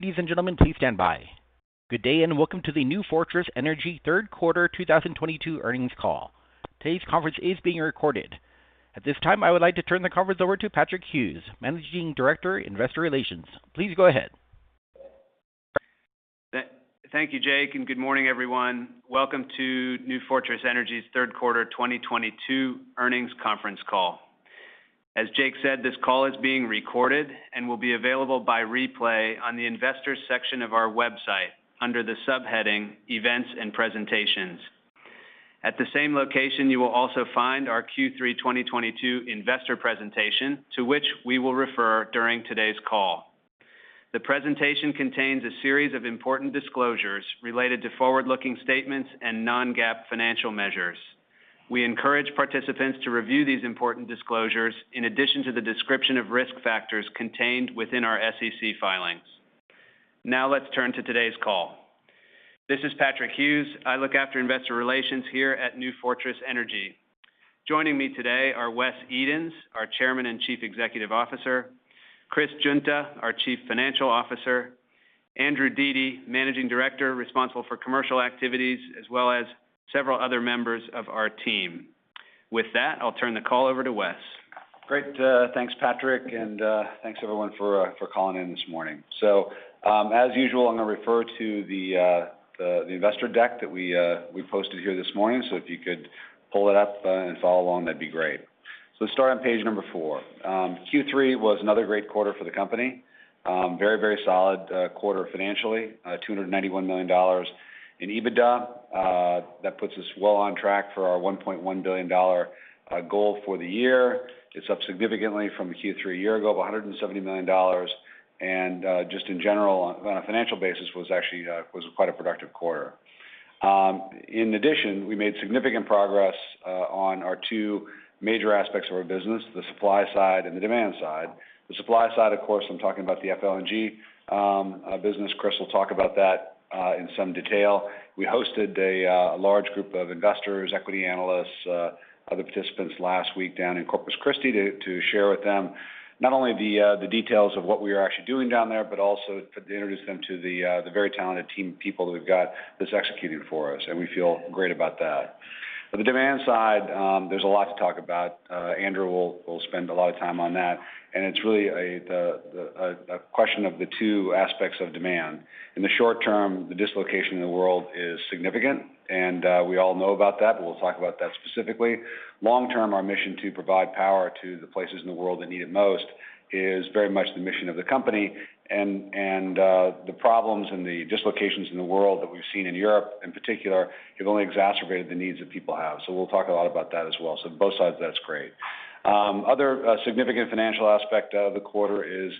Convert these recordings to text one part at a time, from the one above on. Ladies and gentlemen, please stand by. Good day and welcome to the New Fortress Energy third quarter 2022 earnings call. Today's conference is being recorded. At this time, I would like to turn the conference over to Patrick Hughes, Managing Director, Investor Relations. Please go ahead. Thank you, Jake, and good morning, everyone. Welcome to New Fortress Energy's third quarter 2022 earnings conference call. As Jake said, this call is being recorded and will be available by replay on the Investors section of our website under the subheading Events and Presentations. At the same location, you will also find our Q3 2022 investor presentation, to which we will refer during today's call. The presentation contains a series of important disclosures related to forward-looking statements and non-GAAP financial measures. We encourage participants to review these important disclosures in addition to the description of risk factors contained within our SEC filings. Now let's turn to today's call. This is Patrick Hughes. I look after investor relations here at New Fortress Energy. Joining me today are Wes Edens, our Chairman and Chief Executive Officer, Chris Guinta, our Chief Financial Officer, Andrew Dete, Managing Director responsible for commercial activities, as well as several other members of our team. With that, I'll turn the call over to Wes. Great. Thanks, Patrick, and thanks, everyone, for calling in this morning. As usual, I'm gonna refer to the investor deck that we posted here this morning. If you could pull it up and follow along, that'd be great. Let's start on page 4. Q3 was another great quarter for the company. Very, very solid quarter financially, $291 million in EBITDA. That puts us well on track for our $1.1 billion goal for the year. It's up significantly from the Q3 a year ago of $170 million. Just in general, on a financial basis, was actually quite a productive quarter. In addition, we made significant progress on our two major aspects of our business, the supply side and the demand side. The supply side, of course, I'm talking about the FLNG business. Chris will talk about that in some detail. We hosted a large group of investors, equity analysts, other participants last week down in Corpus Christi to share with them not only the details of what we are actually doing down there, but also to introduce them to the very talented team of people that we've got that's executing for us. We feel great about that. On the demand side, there's a lot to talk about. Andrew will spend a lot of time on that. It's really a question of the two aspects of demand. In the short term, the dislocation in the world is significant, and we all know about that, but we'll talk about that specifically. Long term, our mission to provide power to the places in the world that need it most is very much the mission of the company, and the problems and the dislocations in the world that we've seen in Europe, in particular, have only exacerbated the needs that people have. We'll talk a lot about that as well. Both sides, that's great. Other significant financial aspect of the quarter is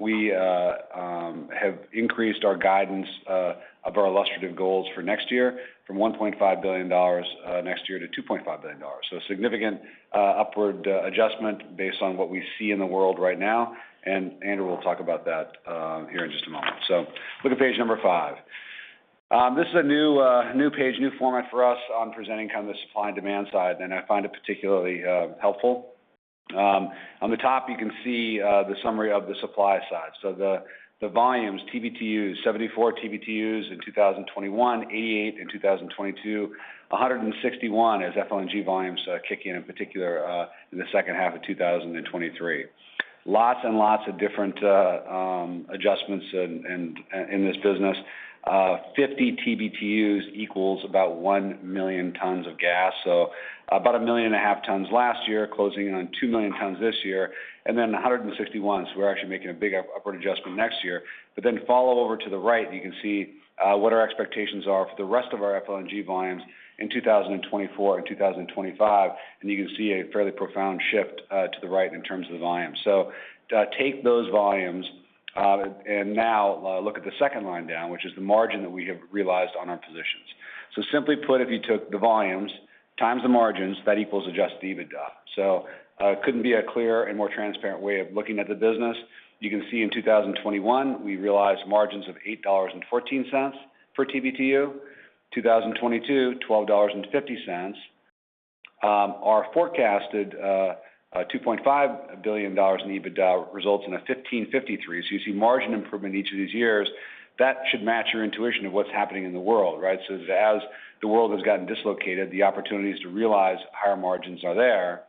we have increased our guidance of our illustrative goals for next year from $1.5 billion next year to $2.5 billion. A significant upward adjustment based on what we see in the world right now, and Andrew will talk about that here in just a moment. Look at page 5. This is a new page, new format for us on presenting kind of the supply and demand side, and I find it particularly helpful. On the top, you can see the summary of the supply side. The volumes, TBtu, 74 TBtu in 2021, 88 in 2022, 161 as FLNG volumes kick in particular, in the second half of 2023. Lots and lots of different adjustments in this business. 50 TBtu equals about 1 million tons of gas, so about 1.5 million tons last year, closing in on 2 million tons this year, and then 161. We're actually making a big upward adjustment next year. Follow over to the right, and you can see what our expectations are for the rest of our FLNG volumes in 2024 and 2025. You can see a fairly profound shift to the right in terms of the volume. Take those volumes and now look at the second line down, which is the margin that we have realized on our positions. Simply put, if you took the volumes times the margins, that equals adjusted EBITDA. Couldn't be a clearer and more transparent way of looking at the business. You can see in 2021, we realized margins of $8.14 for TBtu. 2022, $12.50. Our forecasted $2.5 billion in EBITDA results in a $15.53. You see margin improvement each of these years. That should match your intuition of what's happening in the world, right? As the world has gotten dislocated, the opportunities to realize higher margins are there.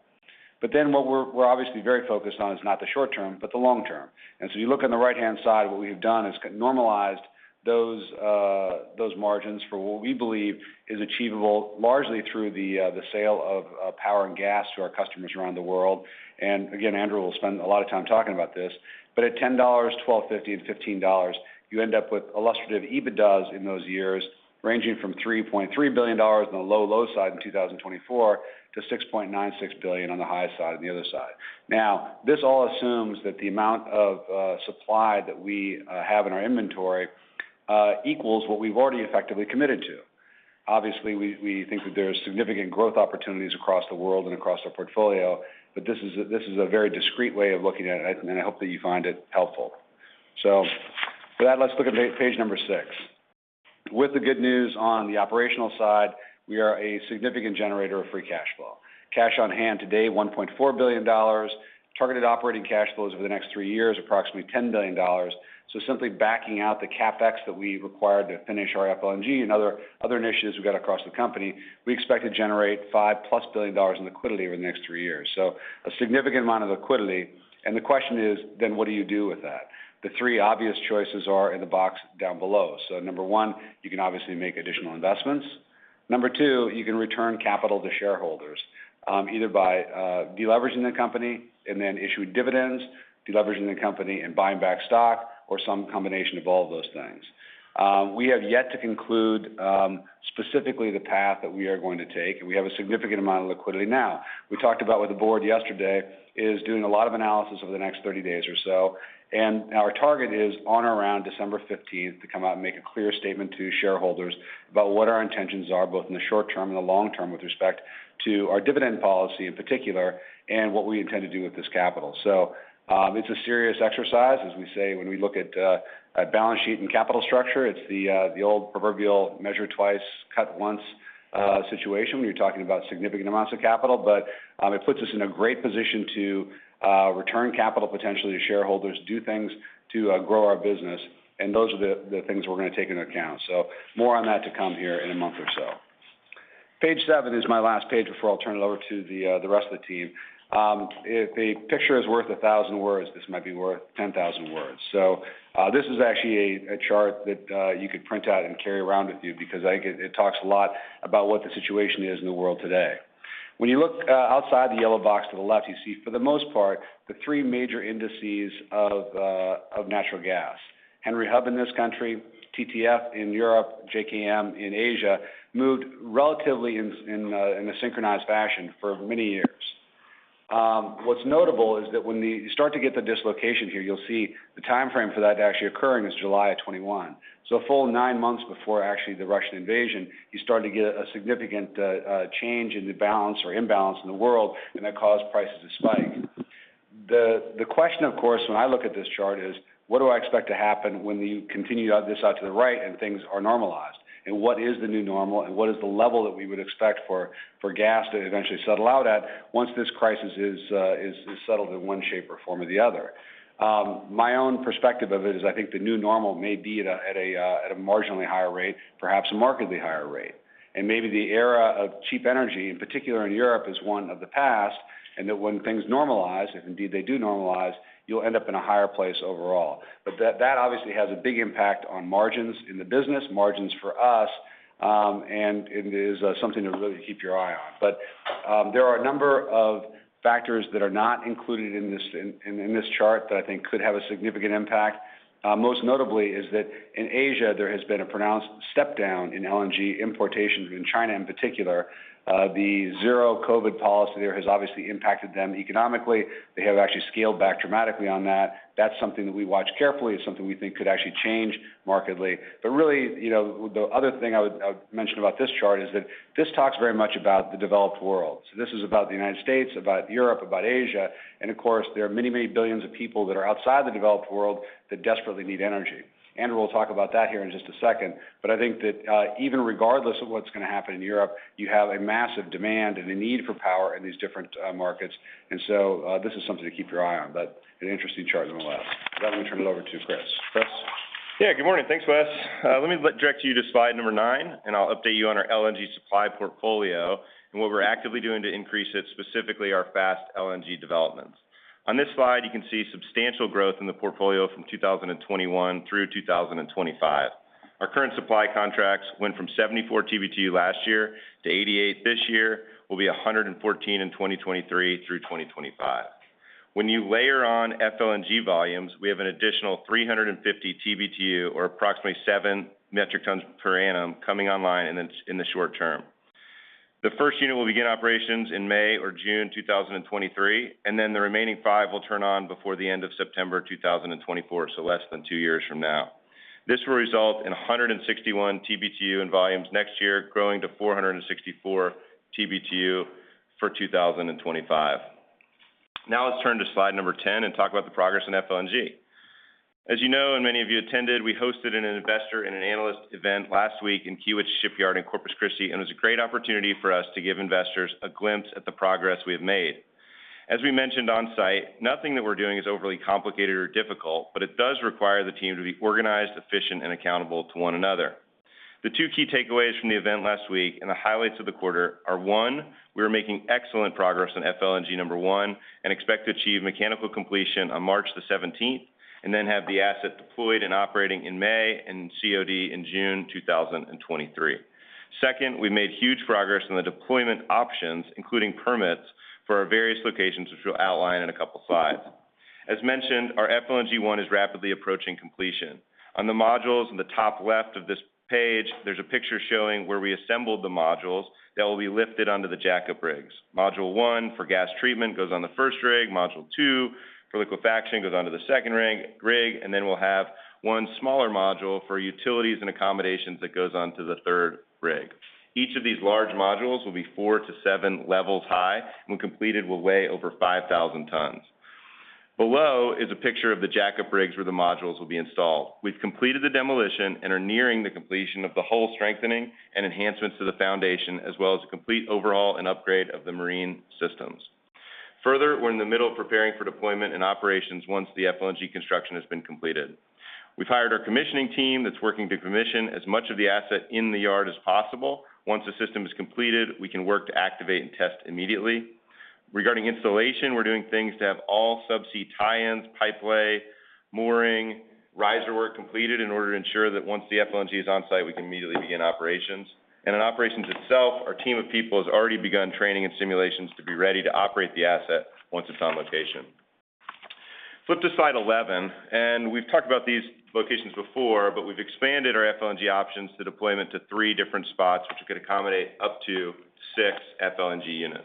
What we're obviously very focused on is not the short term, but the long term. You look on the right-hand side, what we have done is normalized those margins for what we believe is achievable largely through the sale of power and gas to our customers around the world. Again, Andrew will spend a lot of time talking about this. At $10, $12.50, and $15, you end up with illustrative EBITDAs in those years ranging from $3.3 billion on the low, low side in 2024 to $6.96 billion on the high side, on the other side. Now, this all assumes that the amount of supply that we have in our inventory equals what we've already effectively committed to. Obviously, we think that there are significant growth opportunities across the world and across our portfolio, but this is a very discrete way of looking at it, and I hope that you find it helpful. For that, let's look at page number six. With the good news on the operational side, we are a significant generator of free cash flow. Cash on hand today, $1.4 billion. Targeted operating cash flows over the next three years, approximately $10 billion. Simply backing out the CapEx that we require to finish our FLNG and other initiatives we've got across the company, we expect to generate $5+ billion in liquidity over the next three years. A significant amount of liquidity. The question is then what do you do with that? The three obvious choices are in the box down below. Number one, you can obviously make additional investments. Number two, you can return capital to shareholders, either by de-leveraging the company and then issuing dividends, de-leveraging the company and buying back stock or some combination of all of those things. We have yet to conclude specifically the path that we are going to take, and we have a significant amount of liquidity now. We talked about with the board yesterday is doing a lot of analysis over the next 30 days or so, and our target is on or around December fifteenth to come out and make a clear statement to shareholders about what our intentions are, both in the short term and the long term, with respect to our dividend policy in particular, and what we intend to do with this capital. It's a serious exercise. As we say when we look at balance sheet and capital structure, it's the old proverbial measure twice, cut once, situation when you're talking about significant amounts of capital. It puts us in a great position to return capital potentially to shareholders, do things to grow our business. Those are the things we're gonna take into account. More on that to come here in a month or so. Page 7 is my last page before I'll turn it over to the rest of the team. If a picture is worth 1,000 words, this might be worth 10,000 words. This is actually a chart that you could print out and carry around with you because I think it talks a lot about what the situation is in the world today. When you look outside the yellow box to the left, you see, for the most part, the three major indices of natural gas. Henry Hub in this country, TTF in Europe, JKM in Asia, moved relatively in a synchronized fashion for many years. What's notable is that when you start to get the dislocation here, you'll see the timeframe for that actually occurring is July of 2021. A full nine months before actually the Russian invasion, you started to get a significant change in the balance or imbalance in the world, and that caused prices to spike. The question, of course, when I look at this chart is, what do I expect to happen when you continue this out to the right and things are normalized? What is the new normal and what is the level that we would expect for gas to eventually settle out at once this crisis is settled in one shape or form or the other? My own perspective of it is I think the new normal may be at a marginally higher rate, perhaps a markedly higher rate. Maybe the era of cheap energy, in particular in Europe, is one of the past, and that when things normalize, if indeed they do normalize, you'll end up in a higher place overall. That obviously has a big impact on margins in the business, margins for us, and it is something to really keep your eye on. There are a number of factors that are not included in this chart that I think could have a significant impact. Most notably is that in Asia, there has been a pronounced step-down in LNG importations. In China, in particular, the Zero-COVID policy there has obviously impacted them economically. They have actually scaled back dramatically on that. That's something that we watch carefully. It's something we think could actually change markedly. Really, you know, the other thing I would mention about this chart is that this talks very much about the developed world. This is about the United States, about Europe, about Asia. Of course, there are many, many billions of people that are outside the developed world that desperately need energy. Andrew will talk about that here in just a second. I think that, even regardless of what's gonna happen in Europe, you have a massive demand and a need for power in these different markets. This is something to keep your eye on. An interesting chart nonetheless. With that, I'm gonna turn it over to Chris. Chris? Yeah. Good morning. Thanks, Wes. Let me direct you to slide number 9, and I'll update you on our LNG supply portfolio and what we're actively doing to increase it, specifically our Fast LNG developments. On this slide, you can see substantial growth in the portfolio from 2021 through 2025. Our current supply contracts went from 74 TBtu last year to 88 this year, will be 114 in 2023 through 2025. When you layer on FLNG volumes, we have an additional 350 TBtu or approximately 7 metric tons per annum coming online in the short term. The first unit will begin operations in May or June 2023, and then the remaining five will turn on before the end of September 2024, so less than two years from now. This will result in 161 TBtu in volumes next year, growing to 464 TBtu for 2025. Now let's turn to slide 10 and talk about the progress in FLNG. As you know, and many of you attended, we hosted an investor and an analyst event last week in Kiewit Shipyard in Corpus Christi, and it was a great opportunity for us to give investors a glimpse at the progress we have made. As we mentioned on-site, nothing that we're doing is overly complicated or difficult, but it does require the team to be organized, efficient, and accountable to one another. The two key takeaways from the event last week and the highlights of the quarter are, one, we are making excellent progress on FLNG number one and expect to achieve mechanical completion on March seventeenth and then have the asset deployed and operating in May and COD in June 2023. Second, we've made huge progress on the deployment options, including permits for our various locations, which we'll outline in a couple slides. As mentioned, our FLNG one is rapidly approaching completion. On the modules in the top left of this page, there's a picture showing where we assembled the modules that will be lifted onto the jackup rigs. Module one for gas treatment goes on the first rig. Module two for liquefaction goes onto the second rig. We'll have one smaller module for utilities and accommodations that goes onto the third rig. Each of these large modules will be 4-7 levels high, and when completed, will weigh over 5,000 tons. Below is a picture of the jackup rigs where the modules will be installed. We've completed the demolition and are nearing the completion of the hull strengthening and enhancements to the foundation, as well as a complete overhaul and upgrade of the marine systems. Further, we're in the middle of preparing for deployment and operations once the FLNG construction has been completed. We've hired our commissioning team that's working to commission as much of the asset in the yard as possible. Once the system is completed, we can work to activate and test immediately. Regarding installation, we're doing things to have all subsea tie-ins, pipelay, mooring, riser work completed in order to ensure that once the FLNG is on site, we can immediately begin operations. In operations itself, our team of people has already begun training and simulations to be ready to operate the asset once it's on location. Flip to slide 11. We've talked about these locations before, but we've expanded our FLNG options to deployment to three different spots, which could accommodate up to six FLNG units.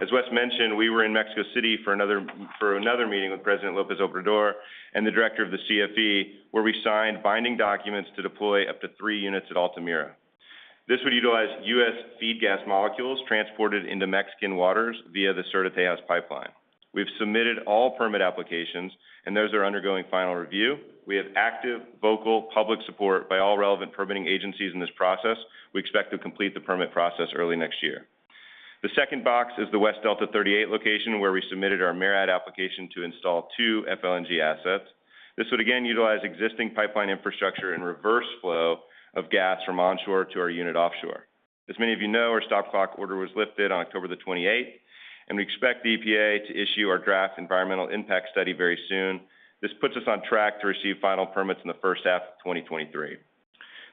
As Wes mentioned, we were in Mexico City for another meeting with President López Obrador and the director of the CFE, where we signed binding documents to deploy up to three units at Altamira. This would utilize US feed gas molecules transported into Mexican waters via the Sur de Texas pipeline. We've submitted all permit applications, and those are undergoing final review. We have active, vocal public support by all relevant permitting agencies in this process. We expect to complete the permit process early next year. The second box is the West Delta 38 location where we submitted our MARAD application to install two FLNG assets. This would again utilize existing pipeline infrastructure and reverse flow of gas from onshore to our unit offshore. As many of you know, our stop clock order was lifted on October 28, and we expect the EPA to issue our draft environmental impact study very soon. This puts us on track to receive final permits in the first half of 2023.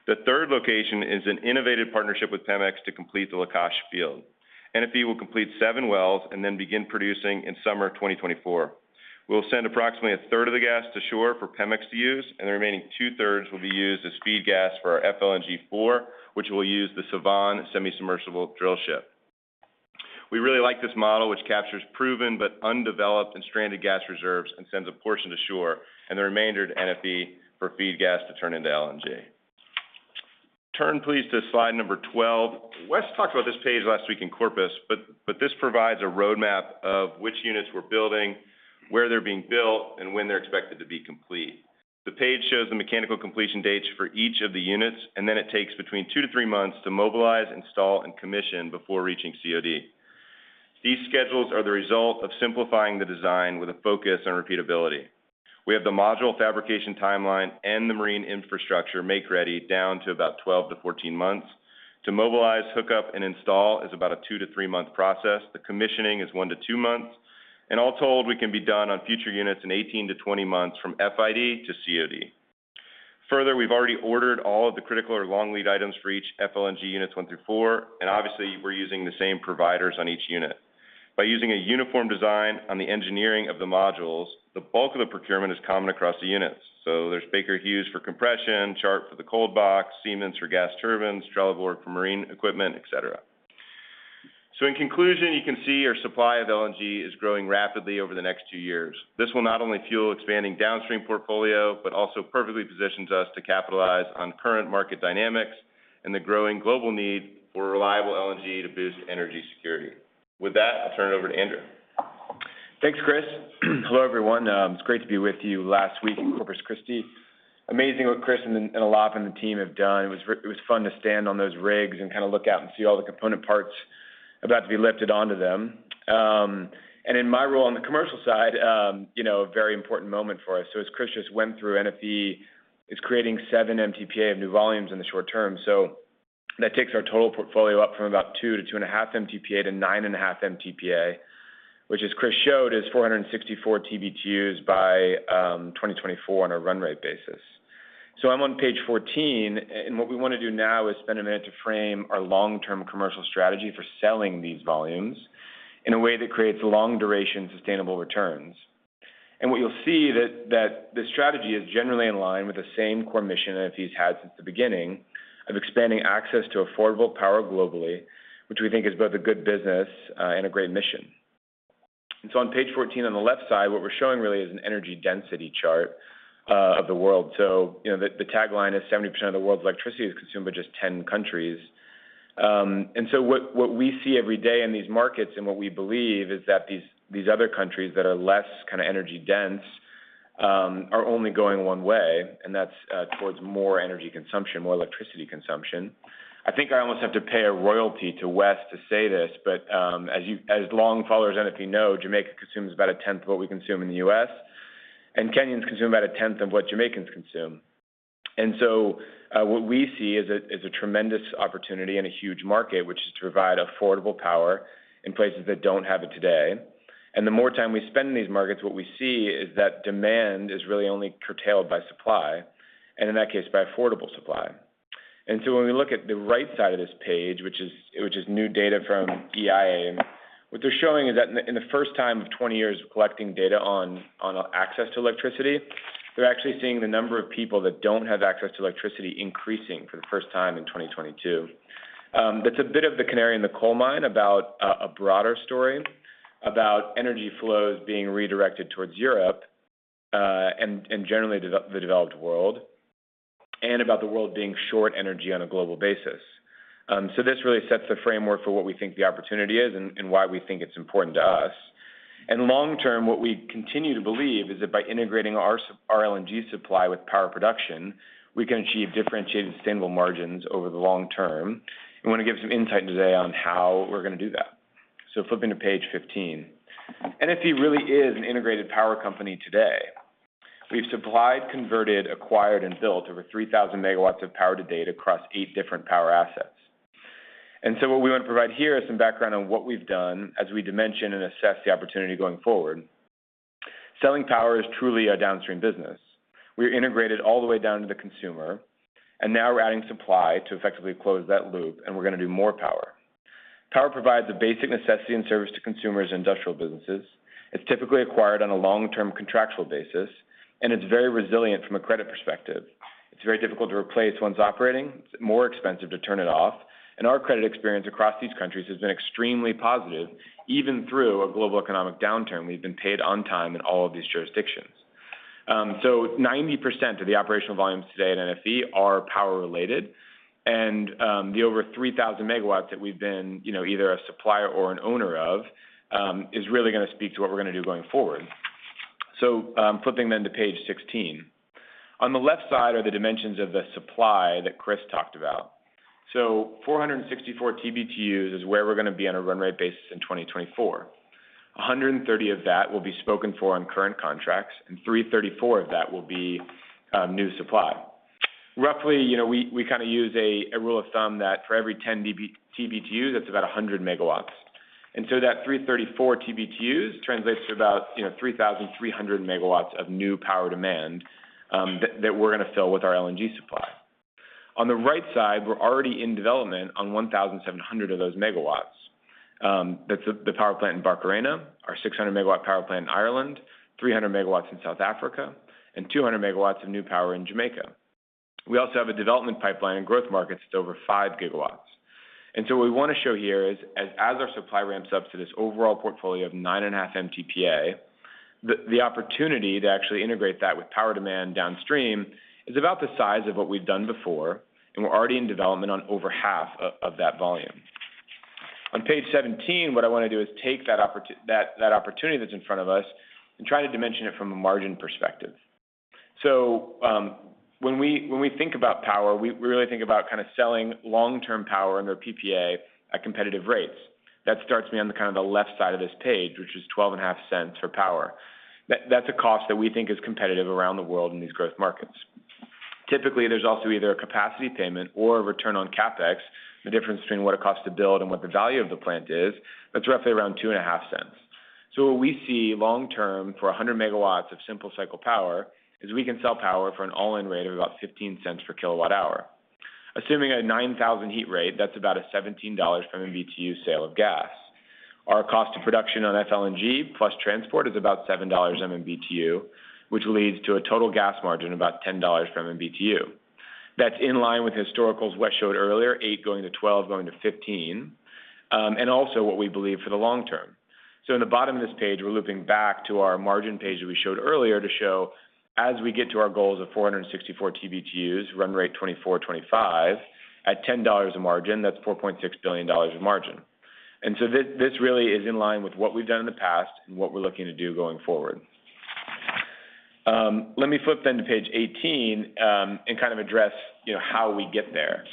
The third location is an innovative partnership with Pemex to complete the Lakach field. NFE will complete seven wells and then begin producing in summer 2024. We'll send approximately a third of the gas to shore for Pemex to use, and the remaining two-thirds will be used as feed gas for our FLNG 4, which will use the Sevan semi-submersible drill ship. We really like this model, which captures proven but undeveloped and stranded gas reserves and sends a portion to shore and the remainder to NFE for feed gas to turn into LNG. Turn, please, to slide number 12. Wes talked about this page last week in Corpus, but this provides a roadmap of which units we're building, where they're being built, and when they're expected to be complete. The page shows the mechanical completion dates for each of the units, and then it takes between 2-3 months to mobilize, install, and commission before reaching COD. These schedules are the result of simplifying the design with a focus on repeatability. We have the module fabrication timeline and the marine infrastructure make ready down to about 12-14 months. To mobilize, hook up, and install is about a 2-3-month process. The commissioning is 1-2 months. All told, we can be done on future units in 18-20 months from FID to COD. Further, we've already ordered all of the critical or long lead items for each FLNG units 1 through 4, and obviously, we're using the same providers on each unit. By using a uniform design on the engineering of the modules, the bulk of the procurement is common across the units. There's Baker Hughes for compression, Chart for the cold box, Siemens for gas turbines, Trelleborg for marine equipment, et cetera. In conclusion, you can see our supply of LNG is growing rapidly over the next 2 years. This will not only fuel expanding downstream portfolio, but also perfectly positions us to capitalize on current market dynamics and the growing global need for reliable LNG to boost energy security. With that, I'll turn it over to Andrew. Thanks, Chris. Hello, everyone. It's great to be with you last week in Corpus Christi. Amazing what Chris and Alaph and the team have done. It was fun to stand on those rigs and kind of look out and see all the component parts about to be lifted onto them. In my role on the commercial side, you know, a very important moment for us. As Chris just went through, NFE is creating 7 MTPA of new volumes in the short term. That takes our total portfolio up from about 2 to 2.5 MTPA to 9.5 MTPA, which, as Chris showed, is 464 TBtu by 2024 on a run rate basis. I'm on page 14, and what we wanna do now is spend a minute to frame our long-term commercial strategy for selling these volumes in a way that creates long-duration sustainable returns. What you'll see that the strategy is generally in line with the same core mission NFE's had since the beginning of expanding access to affordable power globally, which we think is both a good business and a great mission. On page 14 on the left side, what we're showing really is an energy density chart of the world. You know, the tagline is 70% of the world's electricity is consumed by just 10 countries. What we see every day in these markets and what we believe is that these other countries that are less kind of energy dense are only going one way, and that's towards more energy consumption, more electricity consumption. I think I almost have to pay a royalty to Wes to say this, but as long followers of NFE know, Jamaica consumes about a tenth of what we consume in the U.S., and Kenyans consume about a tenth of what Jamaicans consume. What we see is a tremendous opportunity and a huge market, which is to provide affordable power in places that don't have it today. The more time we spend in these markets, what we see is that demand is really only curtailed by supply, and in that case, by affordable supply. When we look at the right side of this page, which is new data from EIA, what they're showing is that in the first time in 20 years of collecting data on access to electricity, they're actually seeing the number of people that don't have access to electricity increasing for the first time in 2022. That's a bit of the canary in the coal mine about a broader story about energy flows being redirected towards Europe, and generally the developed world. About the world being short energy on a global basis. This really sets the framework for what we think the opportunity is and why we think it's important to us. Long term, what we continue to believe is that by integrating our LNG supply with power production, we can achieve differentiated, sustainable margins over the long term. I wanna give some insight today on how we're gonna do that. Flipping to page 15. NFE really is an integrated power company today. We've supplied, converted, acquired, and built over 3,000 megawatts of power to date across 8 different power assets. What we want to provide here is some background on what we've done as we dimension and assess the opportunity going forward. Selling power is truly a downstream business. We're integrated all the way down to the consumer, and now we're adding supply to effectively close that loop, and we're gonna do more power. Power provides a basic necessity and service to consumers and industrial businesses, it's typically acquired on a long-term contractual basis, and it's very resilient from a credit perspective. It's very difficult to replace ones operating, it's more expensive to turn it off, and our credit experience across these countries has been extremely positive. Even through a global economic downturn, we've been paid on time in all of these jurisdictions. 90% of the operational volumes today at NFE are power-related, and the over 3,000 megawatts that we've been, you know, either a supplier or an owner of is really gonna speak to what we're gonna do going forward. Flipping to page 16. On the left side are the dimensions of the supply that Chris talked about. 464 TBtu is where we're gonna be on a run-rate basis in 2024. 130 of that will be spoken for on current contracts, and 334 of that will be new supply. Roughly, you know, we kind of use a rule of thumb that for every 10 TBtu, that's about 100 MW. That 334 TBtu translates to about, you know, 3,300 MW of new power demand that we're gonna fill with our LNG supply. On the right side, we're already in development on 1,700 of those MW. That's the power plant in Barcarena, our 600 MW power plant in Ireland, 300 MW in South Africa, and 200 MW of new power in Jamaica. We also have a development pipeline in growth markets that's over 5 gigawatts. What we wanna show here is as our supply ramps up to this overall portfolio of 9.5 MTPA, the opportunity to actually integrate that with power demand downstream is about the size of what we've done before, and we're already in development on over half of that volume. On page 17, what I wanna do is take that opportunity that's in front of us and try to dimension it from a margin perspective. When we think about power, we really think about kind of selling long-term power under PPA at competitive rates. That starts me on the kind of left side of this page, which is $0.125 for power. That's a cost that we think is competitive around the world in these growth markets. Typically, there's also either a capacity payment or a return on CapEx, the difference between what it costs to build and what the value of the plant is. That's roughly around $0.025. What we see long term for 100 megawatts of simple cycle power is we can sell power for an all-in rate of about $0.15/kWh. Assuming a 9,000 heat rate, that's about a $17/MMBtu sale of gas. Our cost of production on FLNG plus transport is about $7/MMBtu, which leads to a total gas margin about $10/MMBtu. That's in line with historicals what I showed earlier, $8-$12-$15, and also what we believe for the long term. In the bottom of this page, we're looping back to our margin page that we showed earlier to show as we get to our goals of 464 TBtu, run rate 2024/2025, at $10 a margin, that's $4.6 billion in margin. This really is in line with what we've done in the past and what we're looking to do going forward. Let me flip then to page 18, and kind of address, you know, how we get there.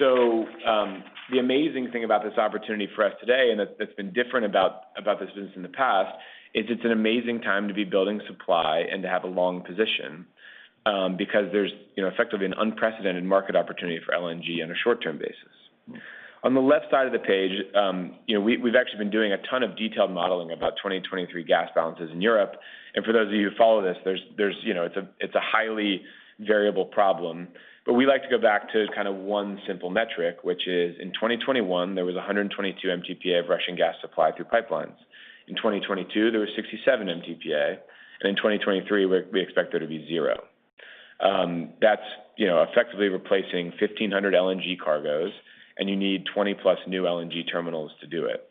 The amazing thing about this opportunity for us today, and that's been different about this business in the past, is it's an amazing time to be building supply and to have a long position, because there's, you know, effectively an unprecedented market opportunity for LNG on a short-term basis. On the left side of the page, you know, we've actually been doing a ton of detailed modeling about 2023 gas balances in Europe. For those of you who follow this, there's you know, it's a highly variable problem. We like to go back to kind of one simple metric, which is in 2021, there was 122 MTPA of Russian gas supply through pipelines. In 2022, there was 67 MTPA, and in 2023, we expect there to be 0. That's you know, effectively replacing 1,500 LNG cargos, and you need 20+ new LNG terminals to do it.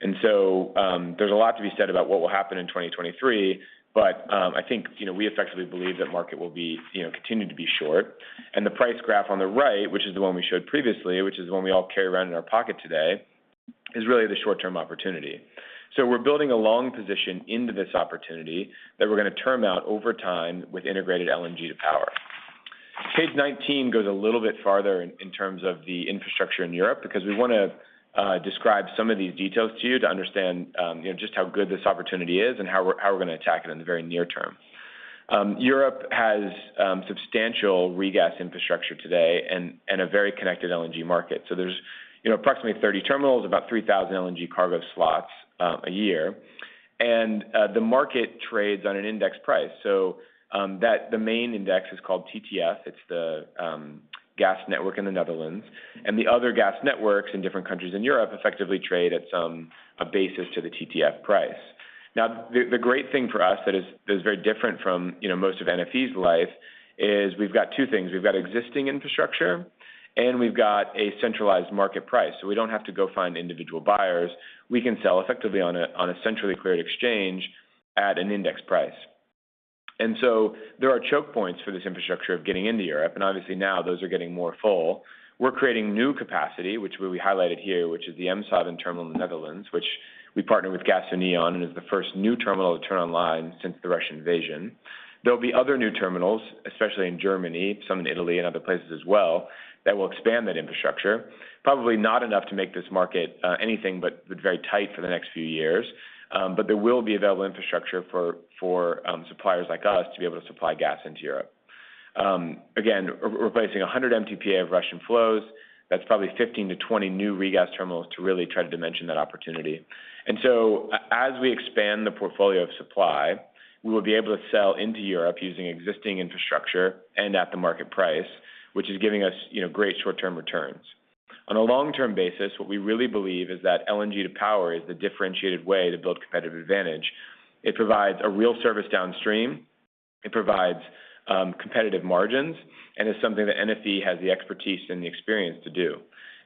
There's a lot to be said about what will happen in 2023, but I think you know, we effectively believe that market will be you know, continue to be short. The price graph on the right, which is the one we showed previously, which is the one we all carry around in our pocket today, is really the short-term opportunity. We're building a long position into this opportunity that we're gonna term out over time with integrated LNG to power. Page 19 goes a little bit farther in terms of the infrastructure in Europe, because we wanna describe some of these details to you to understand, you know, just how good this opportunity is and how we're gonna attack it in the very near term. Europe has substantial regas infrastructure today and a very connected LNG market. There's, you know, approximately 30 terminals, about 3,000 LNG cargo slots a year. The market trades on an index price. The main index is called TTF. It's the gas network in the Netherlands. The other gas networks in different countries in Europe effectively trade at some basis to the TTF price. Now, the great thing for us that is very different from, you know, most of NFE's life is we've got two things. We've got existing infrastructure and we've got a centralized market price, so we don't have to go find individual buyers. We can sell effectively on a centrally cleared exchange at an index price. There are choke points for this infrastructure of getting into Europe, and obviously now those are getting more full. We're creating new capacity, which we highlighted here, which is the M7 terminal in the Netherlands, which we partnered with Gasunie on, and is the first new terminal to turn online since the Russian invasion. There'll be other new terminals, especially in Germany, some in Italy and other places as well, that will expand that infrastructure. Probably not enough to make this market anything but very tight for the next few years. There will be available infrastructure for suppliers like us to be able to supply gas into Europe. Again, replacing 100 MTPA of Russian flows, that's probably 15-20 new regas terminals to really try to dimension that opportunity. As we expand the portfolio of supply, we will be able to sell into Europe using existing infrastructure and at the market price, which is giving us, you know, great short-term returns. On a long-term basis, what we really believe is that LNG to power is the differentiated way to build competitive advantage. It provides a real service downstream. It provides competitive margins, and it's something that NFE has the expertise and the experience to do.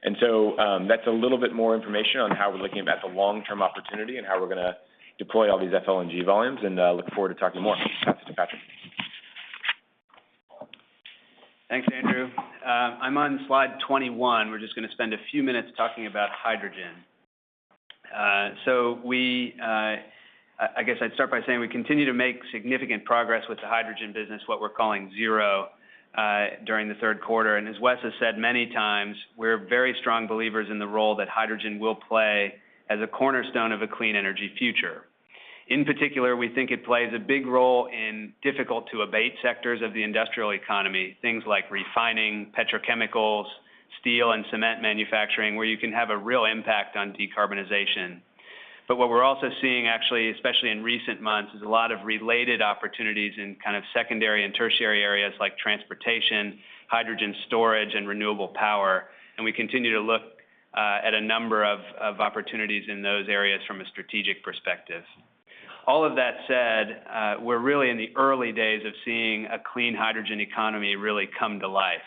That's a little bit more information on how we're looking about the long-term opportunity and how we're gonna deploy all these FLNG volumes, and look forward to talking more. Pass it to Patrick. Thanks, Andrew. I'm on slide 21. We're just gonna spend a few minutes talking about hydrogen. I guess I'd start by saying we continue to make significant progress with the hydrogen business, what we're calling Zero, during the third quarter. As Wes has said many times, we're very strong believers in the role that hydrogen will play as a cornerstone of a clean energy future. In particular, we think it plays a big role in difficult to abate sectors of the industrial economy, things like refining, petrochemicals, steel and cement manufacturing, where you can have a real impact on decarbonization. What we're also seeing actually, especially in recent months, is a lot of related opportunities in kind of secondary and tertiary areas like transportation, hydrogen storage, and renewable power. We continue to look at a number of opportunities in those areas from a strategic perspective. All of that said, we're really in the early days of seeing a clean hydrogen economy really come to life.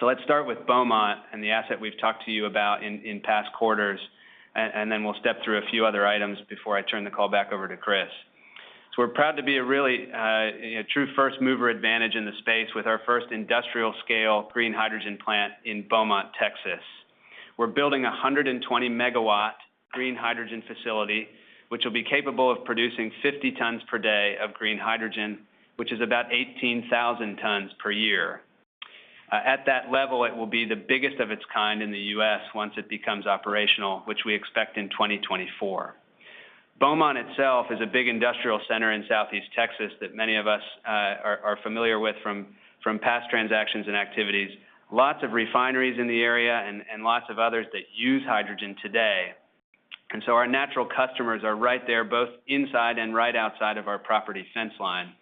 Let's start with Beaumont and the asset we've talked to you about in past quarters, and then we'll step through a few other items before I turn the call back over to Chris. We're proud to be a really true first-mover advantage in the space with our first industrial scale green hydrogen plant in Beaumont, Texas. We're building a 120-megawatt green hydrogen facility, which will be capable of producing 50 tons per day of green hydrogen, which is about 18,000 tons per year. At that level, it will be the biggest of its kind in the U.S. once it becomes operational, which we expect in 2024. Beaumont itself is a big industrial center in Southeast Texas that many of us are familiar with from past transactions and activities. Lots of refineries in the area and lots of others that use hydrogen today. Our natural customers are right there, both inside and right outside of our property fence line.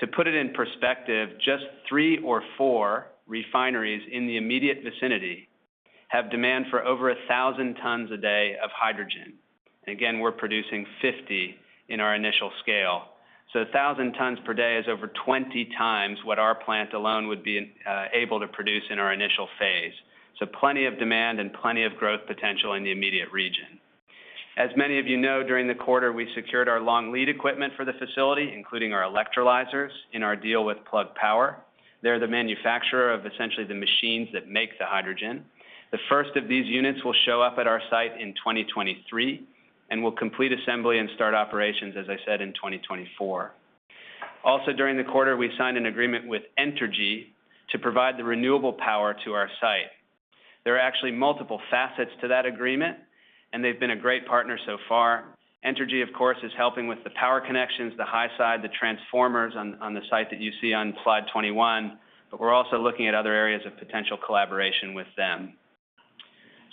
To put it in perspective, just three or four refineries in the immediate vicinity have demand for over 1,000 tons a day of hydrogen. Again, we're producing 50 in our initial scale. A thousand tons per day is over 20 times what our plant alone would be able to produce in our initial phase. Plenty of demand and plenty of growth potential in the immediate region. As many of you know, during the quarter, we secured our long lead equipment for the facility, including our electrolyzers in our deal with Plug Power. They're the manufacturer of essentially the machines that make the hydrogen. The first of these units will show up at our site in 2023, and we'll complete assembly and start operations, as I said, in 2024. Also, during the quarter, we signed an agreement with Entergy to provide the renewable power to our site. There are actually multiple facets to that agreement, and they've been a great partner so far. Entergy, of course, is helping with the power connections, the high side, the transformers on the site that you see on slide 21. We're also looking at other areas of potential collaboration with them.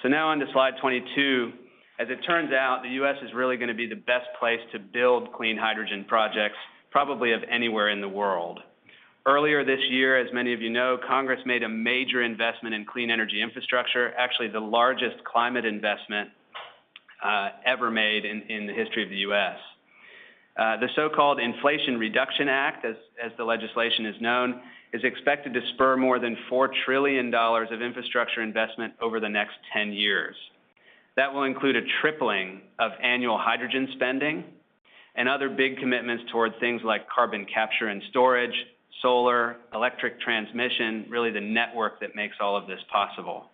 Now on to slide 22. As it turns out, the U.S. is really gonna be the best place to build clean hydrogen projects, probably of anywhere in the world. Earlier this year, as many of you know, Congress made a major investment in clean energy infrastructure, actually the largest climate investment ever made in the history of the U.S. The so-called Inflation Reduction Act, as the legislation is known, is expected to spur more than $4 trillion of infrastructure investment over the next 10 years. That will include a tripling of annual hydrogen spending and other big commitments towards things like carbon capture and storage, solar, electric transmission, really the network that makes all of this possible.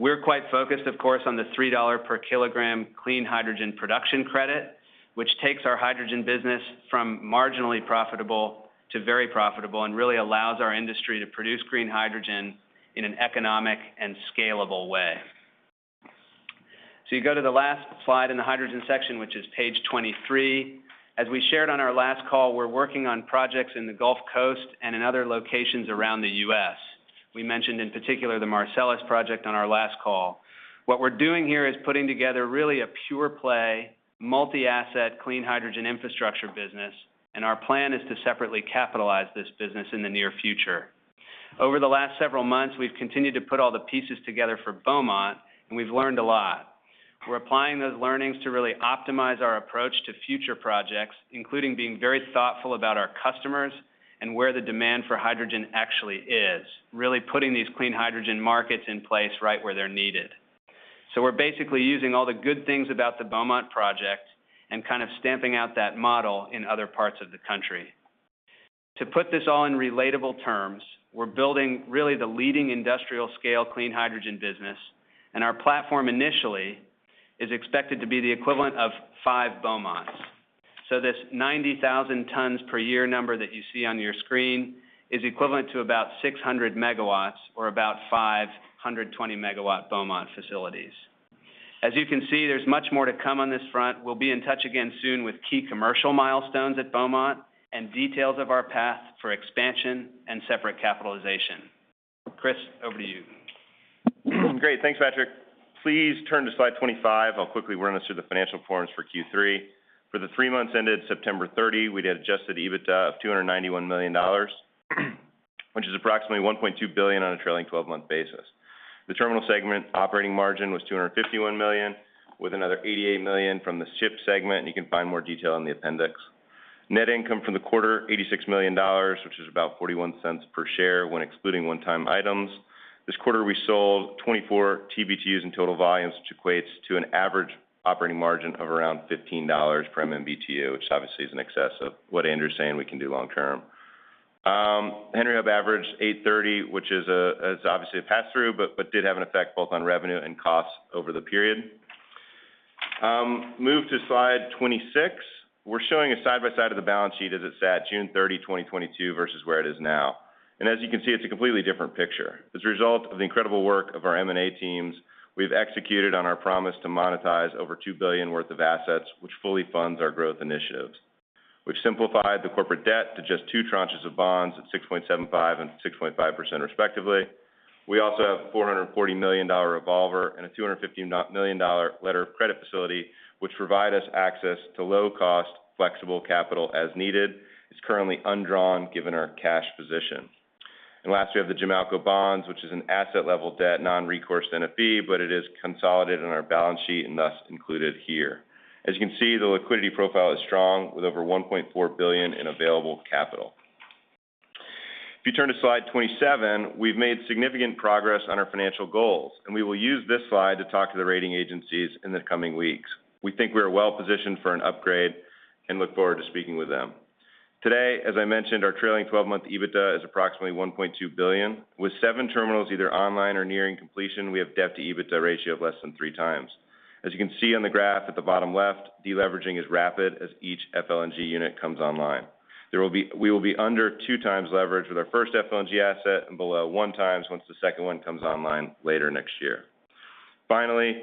We're quite focused, of course, on the $3 per kilogram clean hydrogen production credit, which takes our hydrogen business from marginally profitable to very profitable and really allows our industry to produce green hydrogen in an economic and scalable way. You go to the last slide in the hydrogen section, which is page 23. As we shared on our last call, we're working on projects in the Gulf Coast and in other locations around the U.S. We mentioned in particular the Marcellus project on our last call. What we're doing here is putting together really a pure play, multi-asset, clean hydrogen infrastructure business, and our plan is to separately capitalize this business in the near future. Over the last several months, we've continued to put all the pieces together for Beaumont, and we've learned a lot. We're applying those learnings to really optimize our approach to future projects, including being very thoughtful about our customers and where the demand for hydrogen actually is, really putting these clean hydrogen markets in place right where they're needed. We're basically using all the good things about the Beaumont project and kind of stamping out that model in other parts of the country. To put this all in relatable terms, we're building really the leading industrial scale clean hydrogen business, and our platform initially is expected to be the equivalent of 5 Beaumonts. This 90,000 tons per year number that you see on your screen is equivalent to about 600 megawatts or about 520 megawatt Beaumont facilities. As you can see, there's much more to come on this front. We'll be in touch again soon with key commercial milestones at Beaumont and details of our path for expansion and separate capitalization. Chris, over to you. Great. Thanks, Patrick. Please turn to slide 25. I'll quickly run us through the financial performance for Q3. For the three months ended September 30, we had adjusted EBITDA of $291 million, which is approximately $1.2 billion on a trailing twelve-month basis. The terminal segment operating margin was $251 million, with another $88 million from the ship segment. You can find more detail in the appendix. Net income from the quarter, $86 million, which is about $0.41 per share when excluding one-time items. This quarter, we sold 24 TBtu in total volumes, which equates to an average operating margin of around $15 per MMBtu, which obviously is in excess of what Andrew's saying we can do long term. Henry Hub averaged $8.30, which is obviously a pass-through, but did have an effect both on revenue and costs over the period. Move to slide 26. We're showing a side-by-side of the balance sheet as it sat June 30, 2022 versus where it is now. As you can see, it's a completely different picture. As a result of the incredible work of our M&A teams, we've executed on our promise to monetize over $2 billion worth of assets, which fully funds our growth initiatives. We've simplified the corporate debt to just two tranches of bonds at 6.75% and 6.5% respectively. We also have $440 million revolver and a $250 million letter of credit facility, which provide us access to low-cost flexible capital as needed. It's currently undrawn given our cash position. Last, we have the Jamalco bonds, which is an asset-level debt, non-recourse NFE, but it is consolidated on our balance sheet and thus included here. As you can see, the liquidity profile is strong with over $1.4 billion in available capital. If you turn to slide 27, we've made significant progress on our financial goals, and we will use this slide to talk to the rating agencies in the coming weeks. We think we are well positioned for an upgrade and look forward to speaking with them. Today, as I mentioned, our trailing 12-month EBITDA is approximately $1.2 billion. With 7 terminals either online or nearing completion, we have debt-to-EBITDA ratio of less than 3x. As you can see on the graph at the bottom left, deleveraging is rapid as each FLNG unit comes online. We will be under 2x leverage with our first FLNG asset and below 1x once the second one comes online later next year. Finally,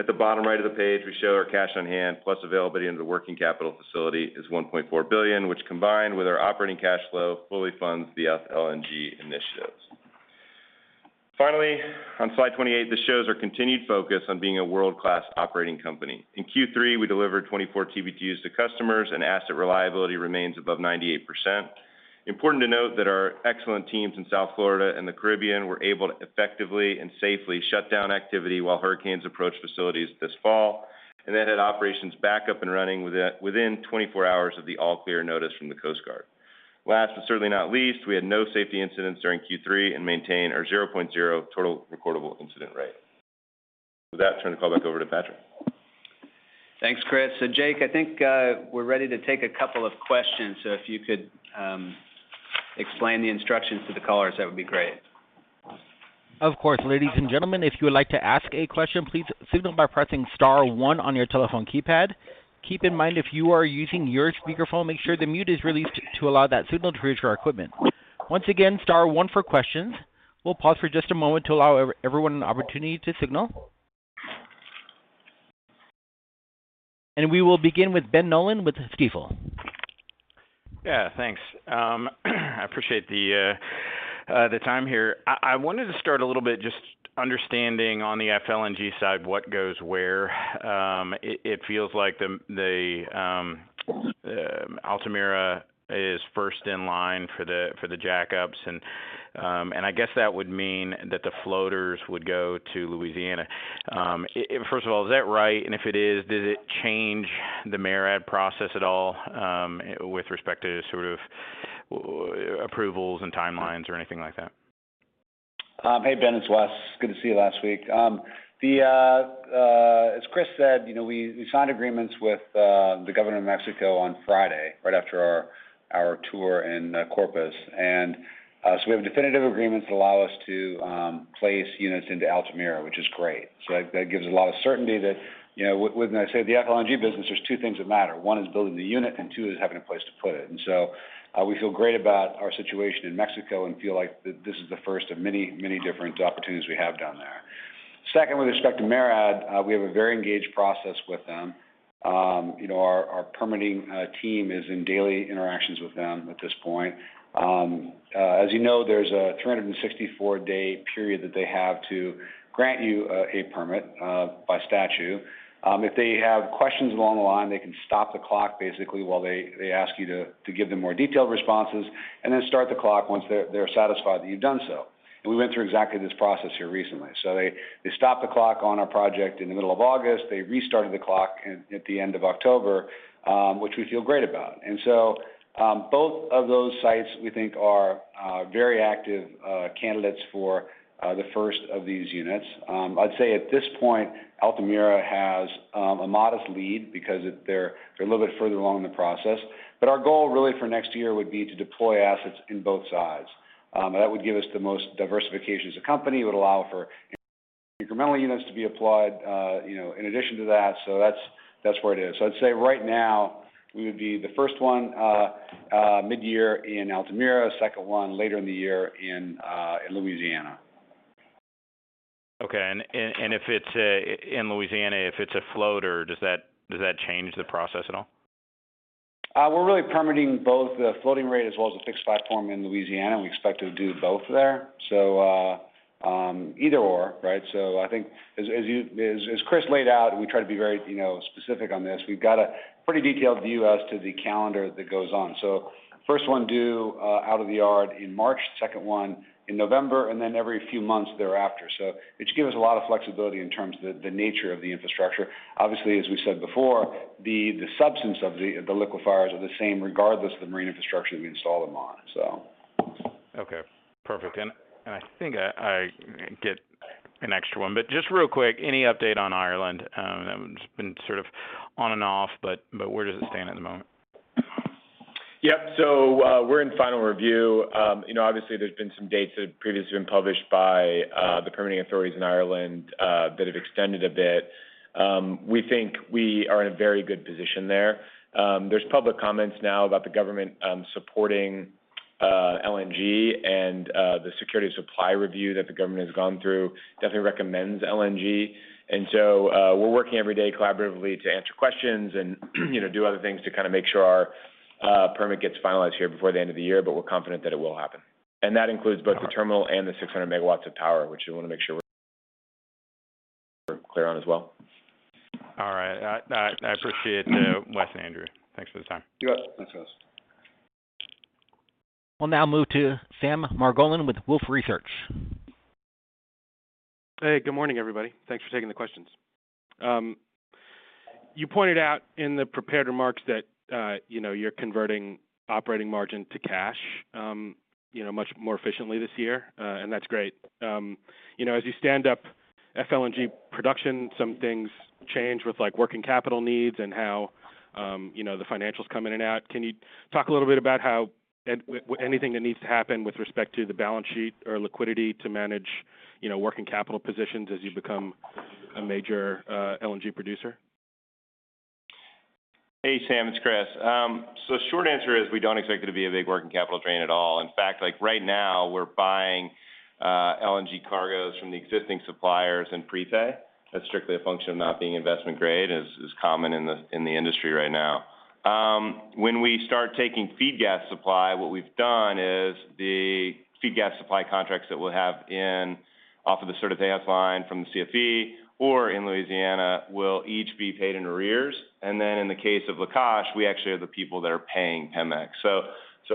at the bottom right of the page, we show our cash on hand plus availability in the working capital facility is $1.4 billion, which combined with our operating cash flow, fully funds the FLNG initiatives. Finally, on slide 28, this shows our continued focus on being a world-class operating company. In Q3, we delivered 24 TBtu to customers and asset reliability remains above 98%. Important to note that our excellent teams in South Florida and the Caribbean were able to effectively and safely shut down activity while hurricanes approached facilities this fall, and then had operations back up and running within 24 hours of the all-clear notice from the Coast Guard. Last, but certainly not least, we had no safety incidents during Q3 and maintain our 0.0 total recordable incident rate. With that, turn the call back over to Patrick. Thanks, Chris. Jake, I think, we're ready to take a couple of questions. If you could, explain the instructions to the callers, that would be great. Of course. Ladies and gentlemen, if you would like to ask a question, please signal by pressing star one on your telephone keypad. Keep in mind, if you are using your speakerphone, make sure the mute is released to allow that signal to reach our equipment. Once again, star one for questions. We'll pause for just a moment to allow everyone an opportunity to signal. We will begin with Ben Nolan with Stifel. Yeah, thanks. I appreciate the time here. I wanted to start a little bit just understanding on the FLNG side what goes where. It feels like the Altamira is first in line for the jackups. I guess that would mean that the floaters would go to Louisiana. First of all, is that right? If it is, does it change the MARAD process at all, with respect to sort of approvals and timelines or anything like that? Hey, Ben, it's Wes. Good to see you last week. As Chris said, you know, we signed agreements with the government of Mexico on Friday right after our tour in Corpus. We have definitive agreements that allow us to place units into Altamira, which is great. That gives a lot of certainty that, you know, when I say the FLNG business, there's two things that matter. One is building the unit, and two is having a place to put it. We feel great about our situation in Mexico and feel like this is the first of many, many different opportunities we have down there. Second, with respect to MARAD, we have a very engaged process with them. You know, our permitting team is in daily interactions with them at this point. As you know, there's a 364-day period that they have to grant you a permit by statute. If they have questions along the line, they can stop the clock basically while they ask you to give them more detailed responses and then start the clock once they're satisfied that you've done so. We went through exactly this process here recently. They stopped the clock on our project in the middle of August. They restarted the clock at the end of October, which we feel great about. Both of those sites we think are very active candidates for the first of these units. I'd say at this point, Altamira has a modest lead because they're a little bit further along in the process. Our goal really for next year would be to deploy assets in both sides. That would give us the most diversification as a company, would allow for incremental units to be applied, you know, in addition to that. That's where it is. I'd say right now, we would be the first one midyear in Altamira, second one later in the year in Louisiana. Okay. If it's in Louisiana, if it's a floater, does that change the process at all? We're really permitting both the floating and the fixed platform in Louisiana. We expect to do both there. Either or, right? I think as Chris laid out, we try to be very, you know, specific on this. We've got a pretty detailed view as to the calendar that goes on. First one due out of the yard in March, second one in November, and then every few months thereafter. It should give us a lot of flexibility in terms of the nature of the infrastructure. Obviously, as we said before, the substance of the liquefiers are the same regardless of the marine infrastructure we install them on. Okay, perfect. I think I get an extra one. Just real quick, any update on Ireland? That one's been sort of on and off, but where does it stand at the moment? Yep. We're in final review. You know, obviously, there's been some dates that have previously been published by the permitting authorities in Ireland that have extended a bit. We think we are in a very good position there. There's public comments now about the government supporting LNG and the security supply review that the government has gone through definitely recommends LNG. We're working every day collaboratively to answer questions and, you know, do other things to kind of make sure our permit gets finalized here before the end of the year, but we're confident that it will happen. That includes both- Okay. The terminal and the 600 megawatts of power, which we wanna make sure we're clear on as well. All right. I appreciate it, Wes and Andrew. Thanks for the time. You bet. Thanks, Wes. We'll now move to Sam Margolin with Wolfe Research. Hey, good morning, everybody. Thanks for taking the questions. You pointed out in the prepared remarks that, you know, you're converting operating margin to cash, you know, much more efficiently this year, and that's great. You know, as you stand up FLNG production, some things change with, like, working capital needs and how, you know, the financials come in and out. Can you talk a little bit about how and anything that needs to happen with respect to the balance sheet or liquidity to manage, you know, working capital positions as you become a major LNG producer? Hey, Sam. It's Chris. Short answer is we don't expect it to be a big working capital drain at all. In fact, like, right now, we're buying LNG cargoes from the existing suppliers in pre-pay. That's strictly a function of not being investment grade, as is common in the industry right now. When we start taking feed gas supply, what we've done is the feed gas supply contracts that we'll have off of the Sur de Texas line from the CFE or in Louisiana will each be paid in arrears. Then in the case of Lakach, we actually are the people that are paying Pemex.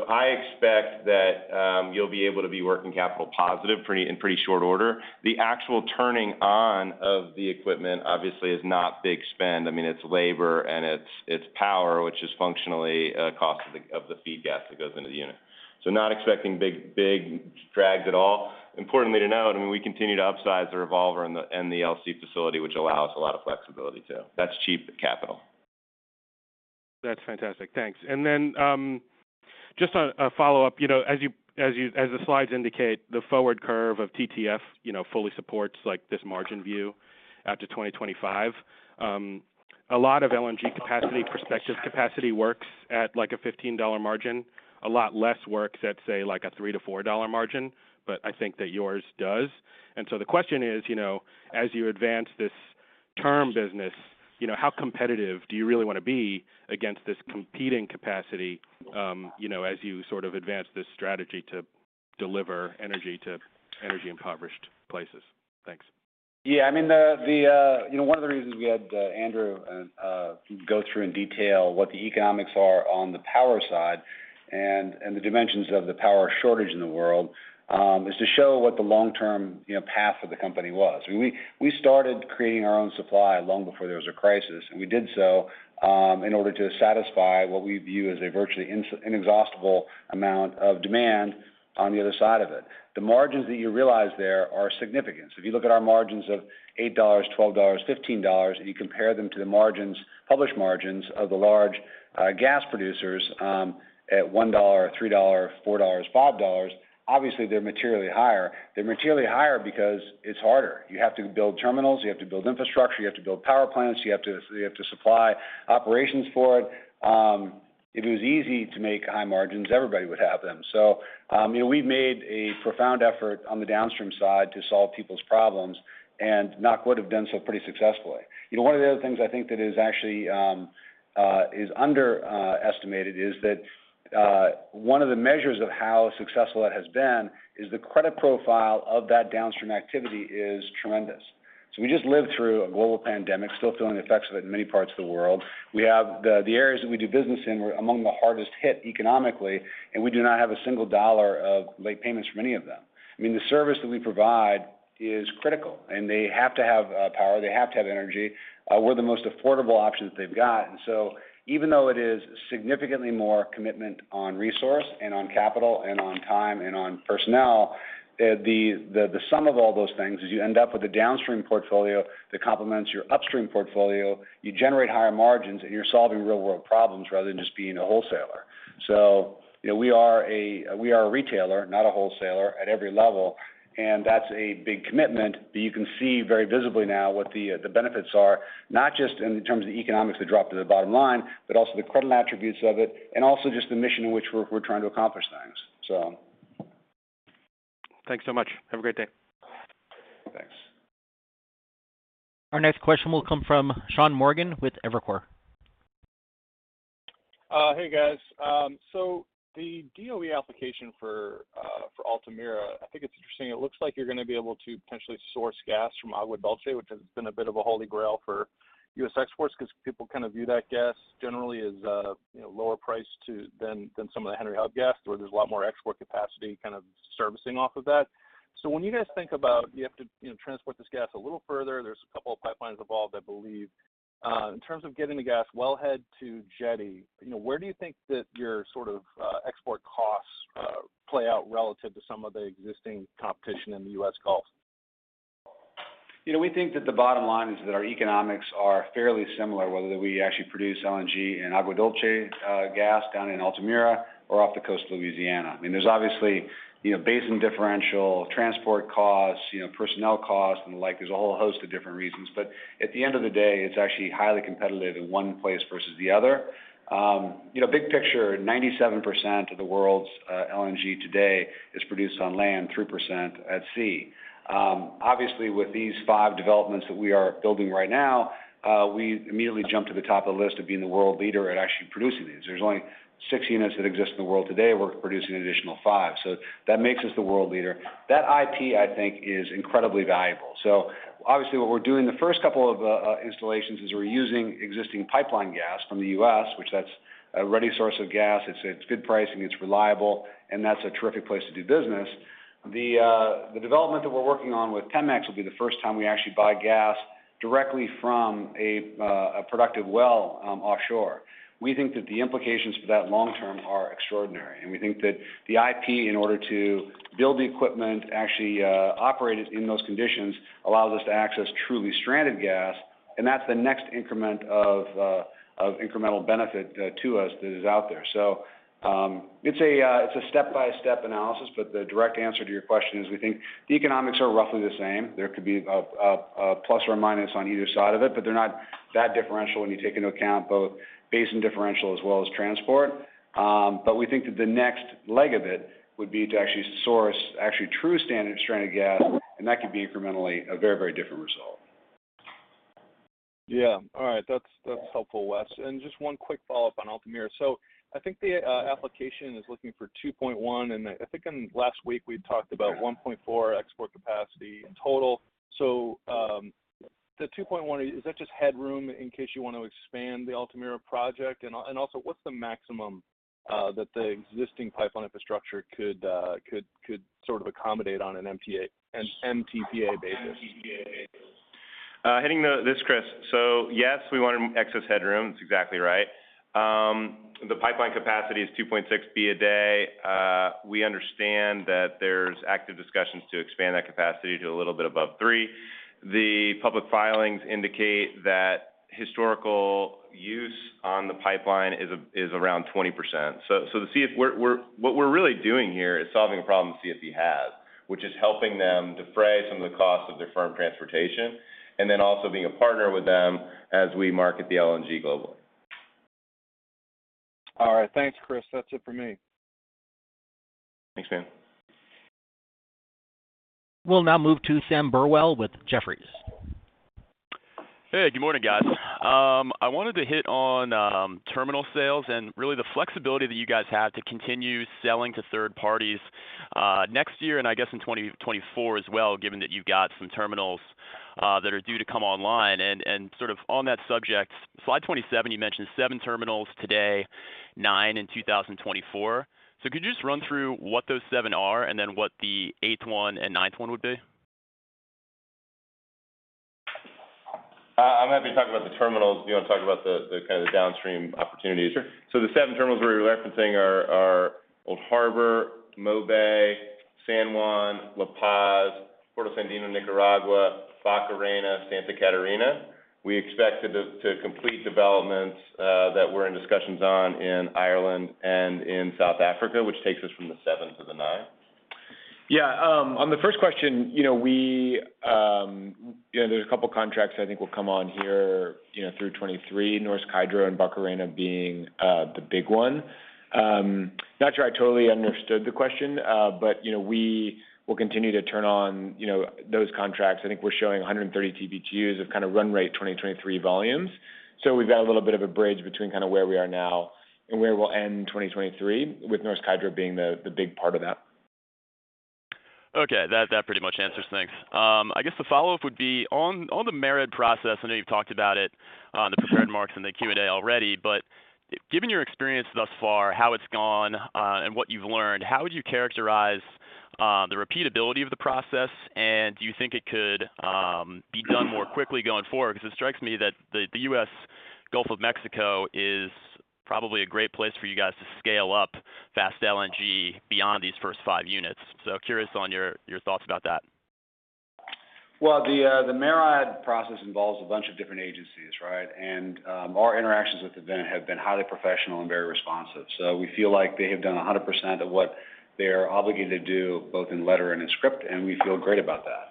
I expect that you'll be able to be working capital positive in pretty short order. The actual turning on of the equipment obviously is not big spend. I mean, it's labor and it's power, which is functionally a cost of the feed gas that goes into the unit. Not expecting big drags at all. Importantly to note, I mean, we continue to upsize the revolver and the LC facility, which allows a lot of flexibility too. That's cheap capital. That's fantastic. Thanks. Just a follow-up, you know, as the slides indicate, the forward curve of TTF, you know, fully supports, like, this margin view out to 2025. A lot of LNG capacity, prospective capacity works at, like, a $15 margin. A lot less works at, say, like, a $3-$4 margin, but I think that yours does. The question is, you know, as you advance this term business, you know, how competitive do you really wanna be against this competing capacity, you know, as you sort of advance this strategy to deliver energy to energy-impoverished places? Thanks. Yeah. I mean, you know, one of the reasons we had Andrew go through in detail what the economics are on the power side and the dimensions of the power shortage in the world is to show what the long-term, you know, path of the company was. We started creating our own supply long before there was a crisis, and we did so in order to satisfy what we view as a virtually inexhaustible amount of demand on the other side of it. The margins that you realize there are significant. If you look at our margins of $8, $12, $15, and you compare them to the margins, published margins of the large gas producers at $1, $3, $4, $5, obviously they're materially higher. They're materially higher because it's harder. You have to build terminals, you have to build infrastructure, you have to build power plants, you have to supply operations for it. If it was easy to make high margins, everybody would have them. You know, we've made a profound effort on the downstream side to solve people's problems, and knock on wood, have done so pretty successfully. You know, one of the other things I think that is underestimated is that one of the measures of how successful it has been is the credit profile of that downstream activity is tremendous. We just lived through a global pandemic, still feeling the effects of it in many parts of the world. We have the areas that we do business in were among the hardest hit economically, and we do not have a single dollar of late payments from any of them. I mean, the service that we provide is critical, and they have to have power. They have to have energy. We're the most affordable option that they've got. Even though it is significantly more commitment on resource and on capital and on time and on personnel, the sum of all those things is you end up with a downstream portfolio that complements your upstream portfolio. You generate higher margins, and you're solving real-world problems rather than just being a wholesaler. You know, we are a retailer, not a wholesaler, at every level, and that's a big commitment that you can see very visibly now what the benefits are, not just in terms of the economics that drop to the bottom line, but also the credible attributes of it, and also just the mission in which we're trying to accomplish things. Thanks so much. Have a great day. Thanks. Our next question will come from Sean Morgan with Evercore. Hey, guys. The DOE application for Altamira, I think it's interesting. It looks like you're gonna be able to potentially source gas from Agua Dulce, which has been a bit of a holy grail for U.S. exports 'cause people kind of view that gas generally as, you know, lower price than some of the Henry Hub gas, where there's a lot more export capacity kind of servicing off of that. When you guys think about, you have to, you know, transport this gas a little further, there's a couple of pipelines involved, I believe. In terms of getting the gas wellhead to jetty, you know, where do you think that your sort of export costs play out relative to some of the existing competition in the U.S. Gulf? You know, we think that the bottom line is that our economics are fairly similar, whether we actually produce LNG in Agua Dulce, gas down in Altamira or off the coast of Louisiana. I mean, there's obviously, you know, basin differential, transport costs, you know, personnel costs and the like. There's a whole host of different reasons. At the end of the day, it's actually highly competitive in one place versus the other. You know, big picture, 97% of the world's LNG today is produced on land, 3% at sea. Obviously with these five developments that we are building right now, we immediately jump to the top of the list of being the world leader at actually producing these. There's only six units that exist in the world today. We're producing an additional five. That makes us the world leader. That IP, I think, is incredibly valuable. Obviously what we're doing, the first couple of installations is we're using existing pipeline gas from the U.S., which that's a ready source of gas. It's good pricing, it's reliable, and that's a terrific place to do business. The development that we're working on with Pemex will be the first time we actually buy gas directly from a productive well, offshore. We think that the implications for that long term are extraordinary, and we think that the IP, in order to build the equipment, actually operate it in those conditions, allows us to access truly stranded gas, and that's the next increment of incremental benefit to us that is out there. It's a step-by-step analysis, but the direct answer to your question is we think the economics are roughly the same. There could be a plus or minus on either side of it, but they're not that differential when you take into account both basin differential as well as transport. We think that the next leg of it would be to actually source actually true standard stranded gas, and that could be incrementally a very, very different result. Yeah. All right. That's helpful, Wes. Just one quick follow-up on Altamira. I think the application is looking for 2.1, and I think last week we talked about 1.4 export capacity in total. The 2.1, is that just headroom in case you want to expand the Altamira project? Also what's the maximum that the existing pipeline infrastructure could sort of accommodate on an MTPA basis? MTPA basis. Chris. Yes, we want excess headroom. That's exactly right. The pipeline capacity is 2.6 Bcf a day. We understand that there's active discussions to expand that capacity to a little bit above 3. The public filings indicate that historical use on the pipeline is around 20%. The CFE. What we're really doing here is solving a problem CFE has, which is helping them defray some of the costs of their firm transportation, and then also being a partner with them as we market the LNG globally. All right. Thanks, Chris. That's it for me. Thanks, man. We'll now move to Sam Burwell with Jefferies. Hey, good morning, guys. I wanted to hit on terminal sales and really the flexibility that you guys have to continue selling to third parties next year and I guess in 2024 as well, given that you've got some terminals that are due to come online. Sort of on that subject, slide 27, you mentioned 7 terminals today, 9 in 2024. Could you just run through what those 7 are and then what the eighth one and ninth one would be? I'm happy to talk about the terminals. Do you wanna talk about the kind of downstream opportunities? Sure. The seven terminals we're referencing are Old Harbor, MoBay, San Juan, La Paz, Puerto Sandino Nicaragua, Barcarena, Santa Catarina. We expect to complete developments that we're in discussions on in Ireland and in South Africa, which takes us from the seven to the nine. Yeah. On the first question, you know, we, you know, there's a couple contracts I think will come on here, you know, through 2023, Norsk Hydro and Barcarena being the big one. Not sure I totally understood the question, but you know, we will continue to turn on, you know, those contracts. I think we're showing 130 TBtu of kind of run rate 2023 volumes. So we've got a little bit of a bridge between kind of where we are now and where we'll end in 2023, with Norsk Hydro being the big part of that. Okay. That pretty much answers. Thanks. I guess the follow-up would be on the permit process. I know you've talked about it, the prepared remarks in the Q&A already. Given your experience thus far, how it's gone, and what you've learned, how would you characterize the repeatability of the process? Do you think it could be done more quickly going forward? Because it strikes me that the U.S. Gulf of Mexico is probably a great place for you guys to scale up Fast LNG beyond these first five units. Curious on your thoughts about that. The MARAD process involves a bunch of different agencies, right? Our interactions with them have been highly professional and very responsive. We feel like they have done 100% of what they are obligated to do, both in letter and in spirit, and we feel great about that.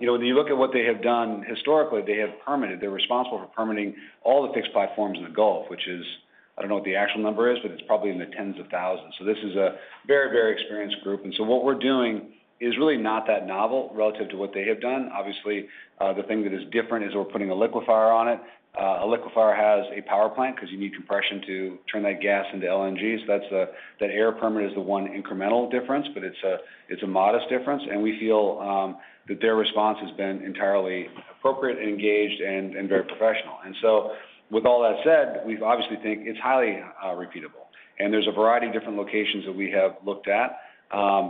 You know, when you look at what they have done historically, they have permitted. They're responsible for permitting all the fixed platforms in the Gulf, which is. I don't know what the actual number is, but it's probably in the tens of thousands. This is a very, very experienced group. What we're doing is really not that novel relative to what they have done. Obviously, the thing that is different is we're putting a liquefier on it. A liquefier has a power plant because you need compression to turn that gas into LNG. That's that air permit is the one incremental difference, but it's a modest difference. We feel that their response has been entirely appropriate and engaged and very professional. With all that said, we obviously think it's highly repeatable. There's a variety of different locations that we have looked at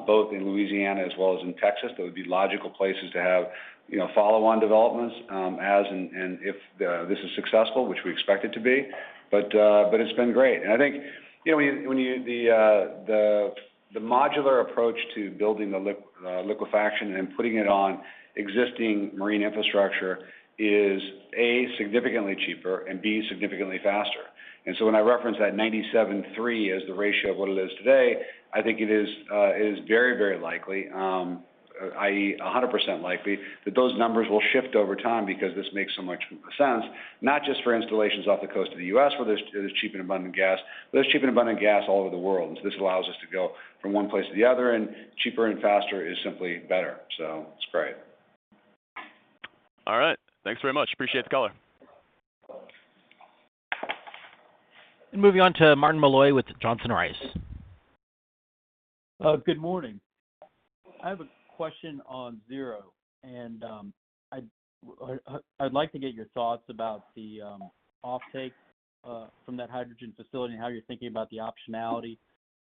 both in Louisiana as well as in Texas. Those would be logical places to have, you know, follow-on developments as and if this is successful, which we expect it to be. It's been great. I think, you know, when you the modular approach to building the liquefaction and then putting it on existing marine infrastructure is, A, significantly cheaper and, B, significantly faster. When I reference that 97:3 as the ratio of what it is today, I think it is very, very likely, i.e., 100% likely, that those numbers will shift over time because this makes so much sense, not just for installations off the coast of the U.S., where there's cheap and abundant gas, but there's cheap and abundant gas all over the world. This allows us to go from one place to the other, and cheaper and faster is simply better. It's great. All right. Thanks very much. Appreciate the color. Moving on to Marty Malloy with Johnson Rice. Good morning. I have a question on Zero, and I'd like to get your thoughts about the offtake from that hydrogen facility and how you're thinking about the optionality.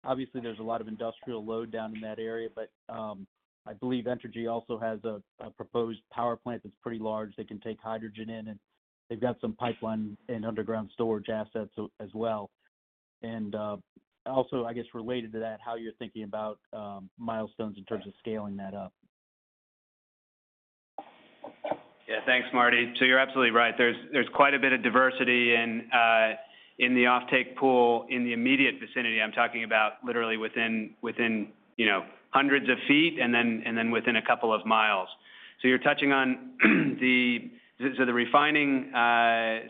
Obviously, there's a lot of industrial load down in that area, but I believe Entergy also has a proposed power plant that's pretty large. They can take hydrogen in, and they've got some pipeline and underground storage assets as well. Also, I guess related to that, how you're thinking about milestones in terms of scaling that up. Yeah, thanks, Marty. You're absolutely right. There's quite a bit of diversity in the offtake pool in the immediate vicinity. I'm talking about literally within hundreds of feet and then within a couple of miles. You're touching on the refining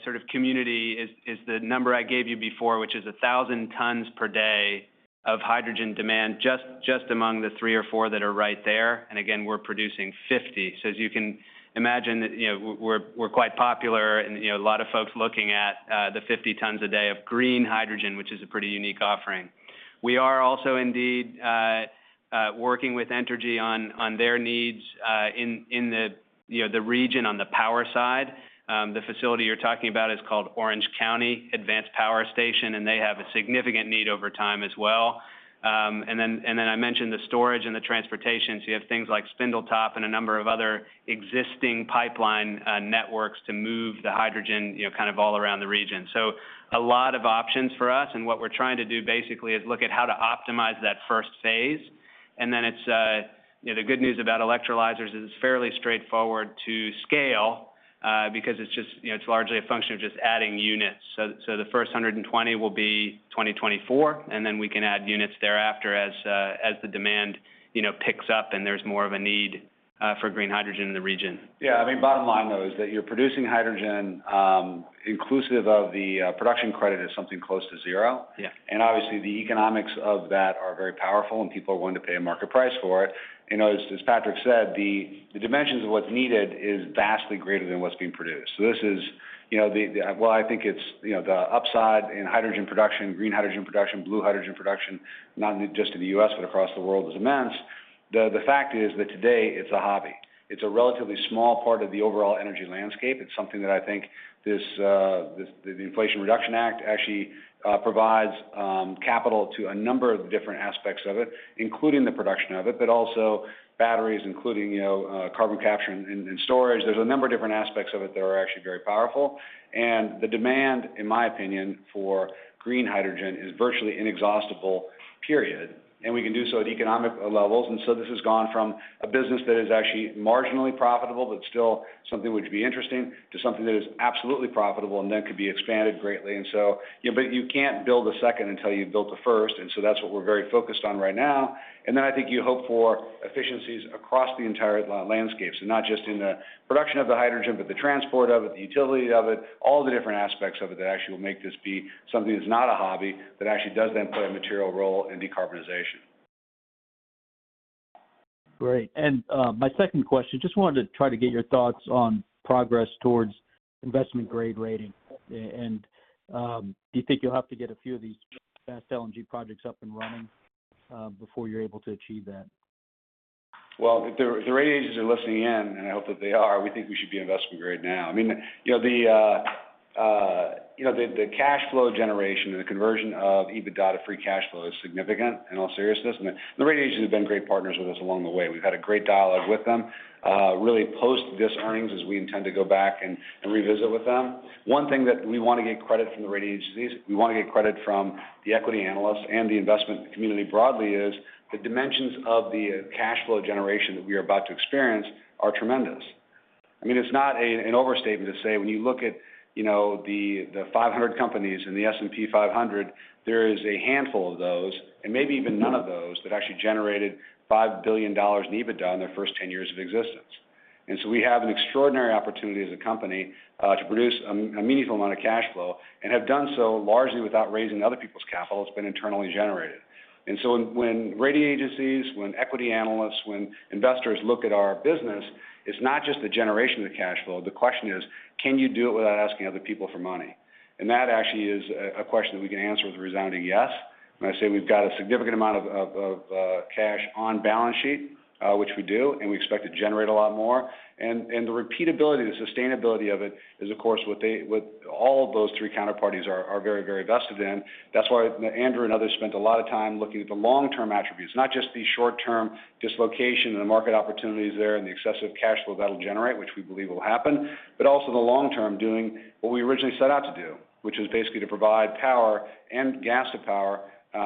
sort of community is the number I gave you before, which is 1,000 tons per day of hydrogen demand just among the three or four that are right there. Again, we're producing 50. As you can imagine, you know, we're quite popular and, you know, a lot of folks looking at the 50 tons a day of green hydrogen, which is a pretty unique offering. We are also indeed working with Entergy on their needs in the region on the power side. The facility you're talking about is called Orange County Advanced Power Station, and they have a significant need over time as well. I mentioned the storage and the transportation. You have things like Spindletop and a number of other existing pipeline networks to move the hydrogen, you know, kind of all around the region. A lot of options for us. What we're trying to do basically is look at how to optimize that first phase. It's, you know, the good news about electrolyzers is it's fairly straightforward to scale, because it's just, you know, it's largely a function of just adding units. The first 120 will be 2024, and then we can add units thereafter as the demand, you know, picks up and there's more of a need for green hydrogen in the region. Yeah. I mean, bottom line, though, is that you're producing hydrogen, inclusive of the production credit, is something close to zero. Yeah. Obviously, the economics of that are very powerful and people are willing to pay a market price for it. You know, as Patrick said, the dimensions of what's needed is vastly greater than what's being produced. This is, you know, while I think it's, you know, the upside in hydrogen production, green hydrogen production, blue hydrogen production, not just in the U.S. but across the world is immense. The fact is that today it's a hobby. It's a relatively small part of the overall energy landscape. It's something that I think this, the Inflation Reduction Act actually provides capital to a number of different aspects of it, including the production of it, but also batteries, including, you know, carbon capture and storage. There's a number of different aspects of it that are actually very powerful. The demand, in my opinion, for green hydrogen is virtually inexhaustible, period. We can do so at economic levels. This has gone from a business that is actually marginally profitable, but still something which would be interesting to something that is absolutely profitable and then could be expanded greatly. You know, but you can't build a second until you've built the first, and so that's what we're very focused on right now. I think you hope for efficiencies across the entire landscape. Not just in the production of the hydrogen, but the transport of it, the utility of it, all the different aspects of it that actually will make this be something that's not a hobby, that actually does then play a material role in decarbonization. Great. My second question, just wanted to try to get your thoughts on progress towards investment-grade rating. Do you think you'll have to get a few of these Fast LNG projects up and running before you're able to achieve that? Well, if the rating agencies are listening in, and I hope that they are, we think we should be investment grade now. I mean, you know, the cash flow generation and the conversion of EBITDA to free cash flow is significant in all seriousness. The rating agencies have been great partners with us along the way. We've had a great dialogue with them, really post this earnings as we intend to go back and revisit with them. One thing that we wanna get credit from the rating agencies, we wanna get credit from the equity analysts and the investment community broadly, is the dimensions of the cash flow generation that we are about to experience are tremendous. I mean, it's not an overstatement to say when you look at, you know, the 500 companies in the S&P 500, there is a handful of those, and maybe even none of those, that actually generated $5 billion in EBITDA in their first 10 years of existence. We have an extraordinary opportunity as a company to produce a meaningful amount of cash flow and have done so largely without raising other people's capital. It's been internally generated. When rating agencies, when equity analysts, when investors look at our business, it's not just the generation of the cash flow. The question is, can you do it without asking other people for money? That actually is a question that we can answer with a resounding yes. When I say we've got a significant amount of cash on balance sheet, which we do, and we expect to generate a lot more. The repeatability, the sustainability of it is, of course, what all of those three counterparties are very, very vested in. That's why Andrew and others spent a lot of time looking at the long-term attributes, not just the short-term dislocation and the market opportunities there and the excessive cash flow that'll generate, which we believe will happen, but also the long-term, doing what we originally set out to do, which is basically to provide power and gas to power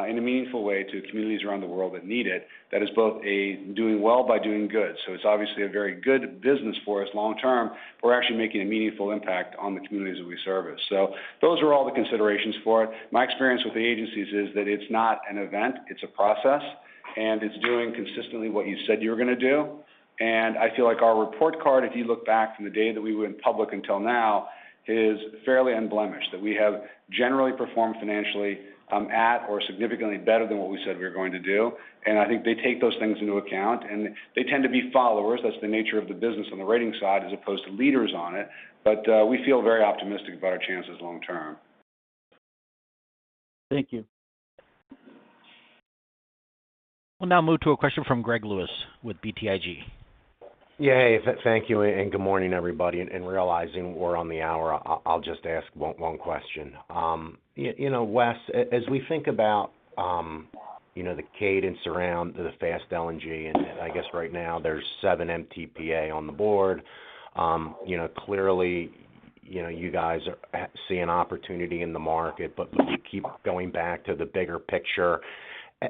in a meaningful way to communities around the world that need it. That is both a doing well by doing good. It's obviously a very good business for us long term. We're actually making a meaningful impact on the communities that we service. Those are all the considerations for it. My experience with the agencies is that it's not an event, it's a process, and it's doing consistently what you said you were gonna do. I feel like our report card, if you look back from the day that we went public until now, is fairly unblemished. That we have generally performed financially at or significantly better than what we said we were going to do. I think they take those things into account, and they tend to be followers. That's the nature of the business on the rating side as opposed to leaders on it. We feel very optimistic about our chances long term. Thank you. We'll now move to a question from Greg Lewis with BTIG. Yeah. Thank you, and good morning, everybody. Realizing we're on the hour, I'll just ask one question. You know, Wes, as we think about, you know, the cadence around the Fast LNG, and I guess right now there's 7 MTPA on the board, you know, clearly, you know, you guys see an opportunity in the market, but we keep going back to the bigger picture.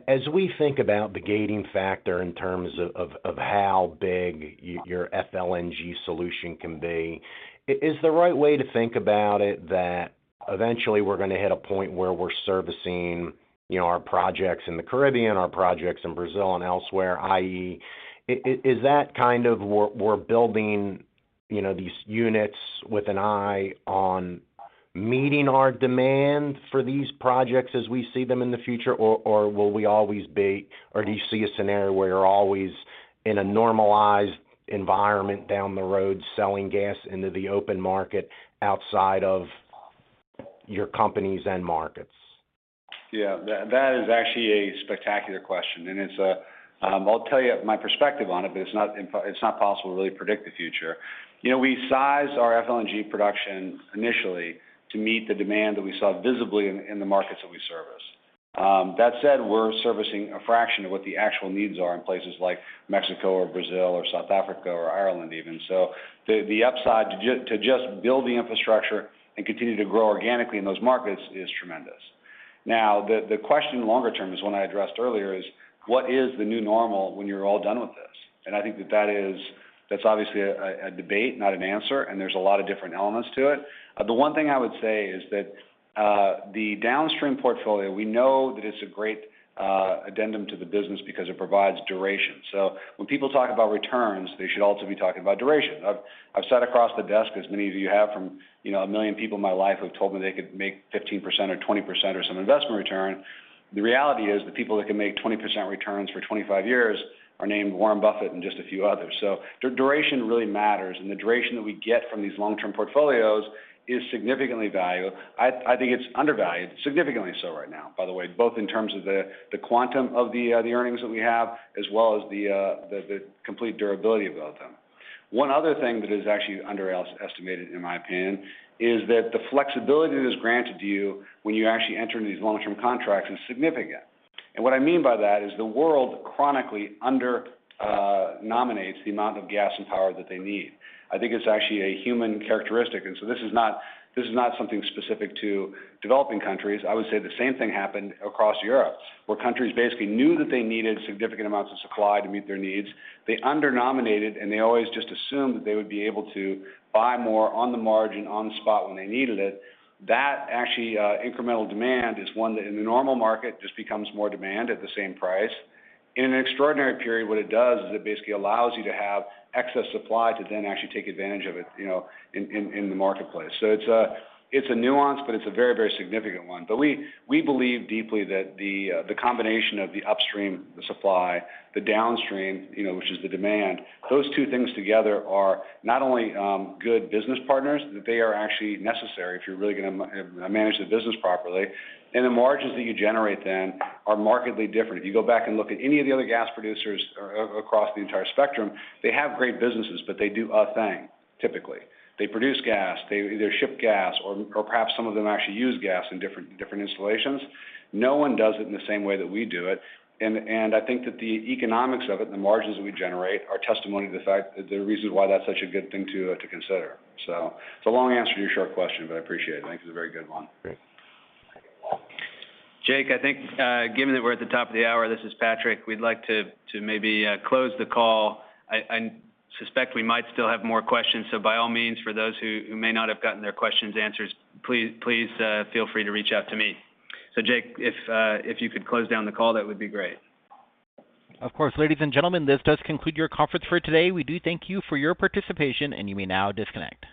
As we think about the gating factor in terms of how big your FLNG solution can be, is the right way to think about it that eventually we're gonna hit a point where we're servicing, you know, our projects in the Caribbean, our projects in Brazil and elsewhere, i.e. Is that kind of where we're building, you know, these units with an eye on meeting our demand for these projects as we see them in the future, or will we always be? Or do you see a scenario where you're always in a normalized environment down the road, selling gas into the open market outside of your companies and markets? Yeah, that is actually a spectacular question, and it's a... I'll tell you my perspective on it, but it's not possible to really predict the future. You know, we sized our FLNG production initially to meet the demand that we saw visibly in the markets that we service. That said, we're servicing a fraction of what the actual needs are in places like Mexico or Brazil or South Africa or Ireland even. So the upside to just build the infrastructure and continue to grow organically in those markets is tremendous. Now, the question longer term is one I addressed earlier, is what is the new normal when you're all done with this? I think that that's obviously a debate, not an answer, and there's a lot of different elements to it. The one thing I would say is that, the downstream portfolio, we know that it's a great addendum to the business because it provides duration. When people talk about returns, they should also be talking about duration. I've sat across the desk, as many of you have, from, you know, a million people in my life have told me they could make 15% or 20% or some investment return. The reality is, the people that can make 20% returns for 25 years are named Warren Buffett and just a few others. Duration really matters, and the duration that we get from these long-term portfolios is significantly valuable. I think it's undervalued, significantly so right now, by the way, both in terms of the quantum of the earnings that we have as well as the complete durability of both of them. One other thing that is actually underestimated, in my opinion, is that the flexibility that is granted to you when you actually enter into these long-term contracts is significant. What I mean by that is the world chronically undernominates the amount of gas and power that they need. I think it's actually a human characteristic, and so this is not something specific to developing countries. I would say the same thing happened across Europe, where countries basically knew that they needed significant amounts of supply to meet their needs. They under-nominated, and they always just assumed that they would be able to buy more on the margin, on the spot when they needed it. That actually, incremental demand is one that in the normal market just becomes more demand at the same price. In an extraordinary period, what it does is it basically allows you to have excess supply to then actually take advantage of it, you know, in the marketplace. It's a nuance, but it's a very, very significant one. We believe deeply that the combination of the upstream, the supply, the downstream, you know, which is the demand, those two things together are not only good business partners, they are actually necessary if you're really gonna manage the business properly. The margins that you generate then are markedly different. If you go back and look at any of the other gas producers across the entire spectrum, they have great businesses, but they do a thing, typically. They produce gas. They either ship gas or perhaps some of them actually use gas in different installations. No one does it in the same way that we do it. And I think that the economics of it and the margins we generate are testimony to the fact that the reason why that's such a good thing to consider. It's a long answer to your short question, but I appreciate it. I think it's a very good one. Great. Jake, I think, given that we're at the top of the hour, this is Patrick, we'd like to maybe close the call. I suspect we might still have more questions, so by all means, for those who may not have gotten their questions answered, please, feel free to reach out to me. Jake, if you could close down the call, that would be great. Of course. Ladies and gentlemen, this does conclude your conference for today. We do thank you for your participation, and you may now disconnect.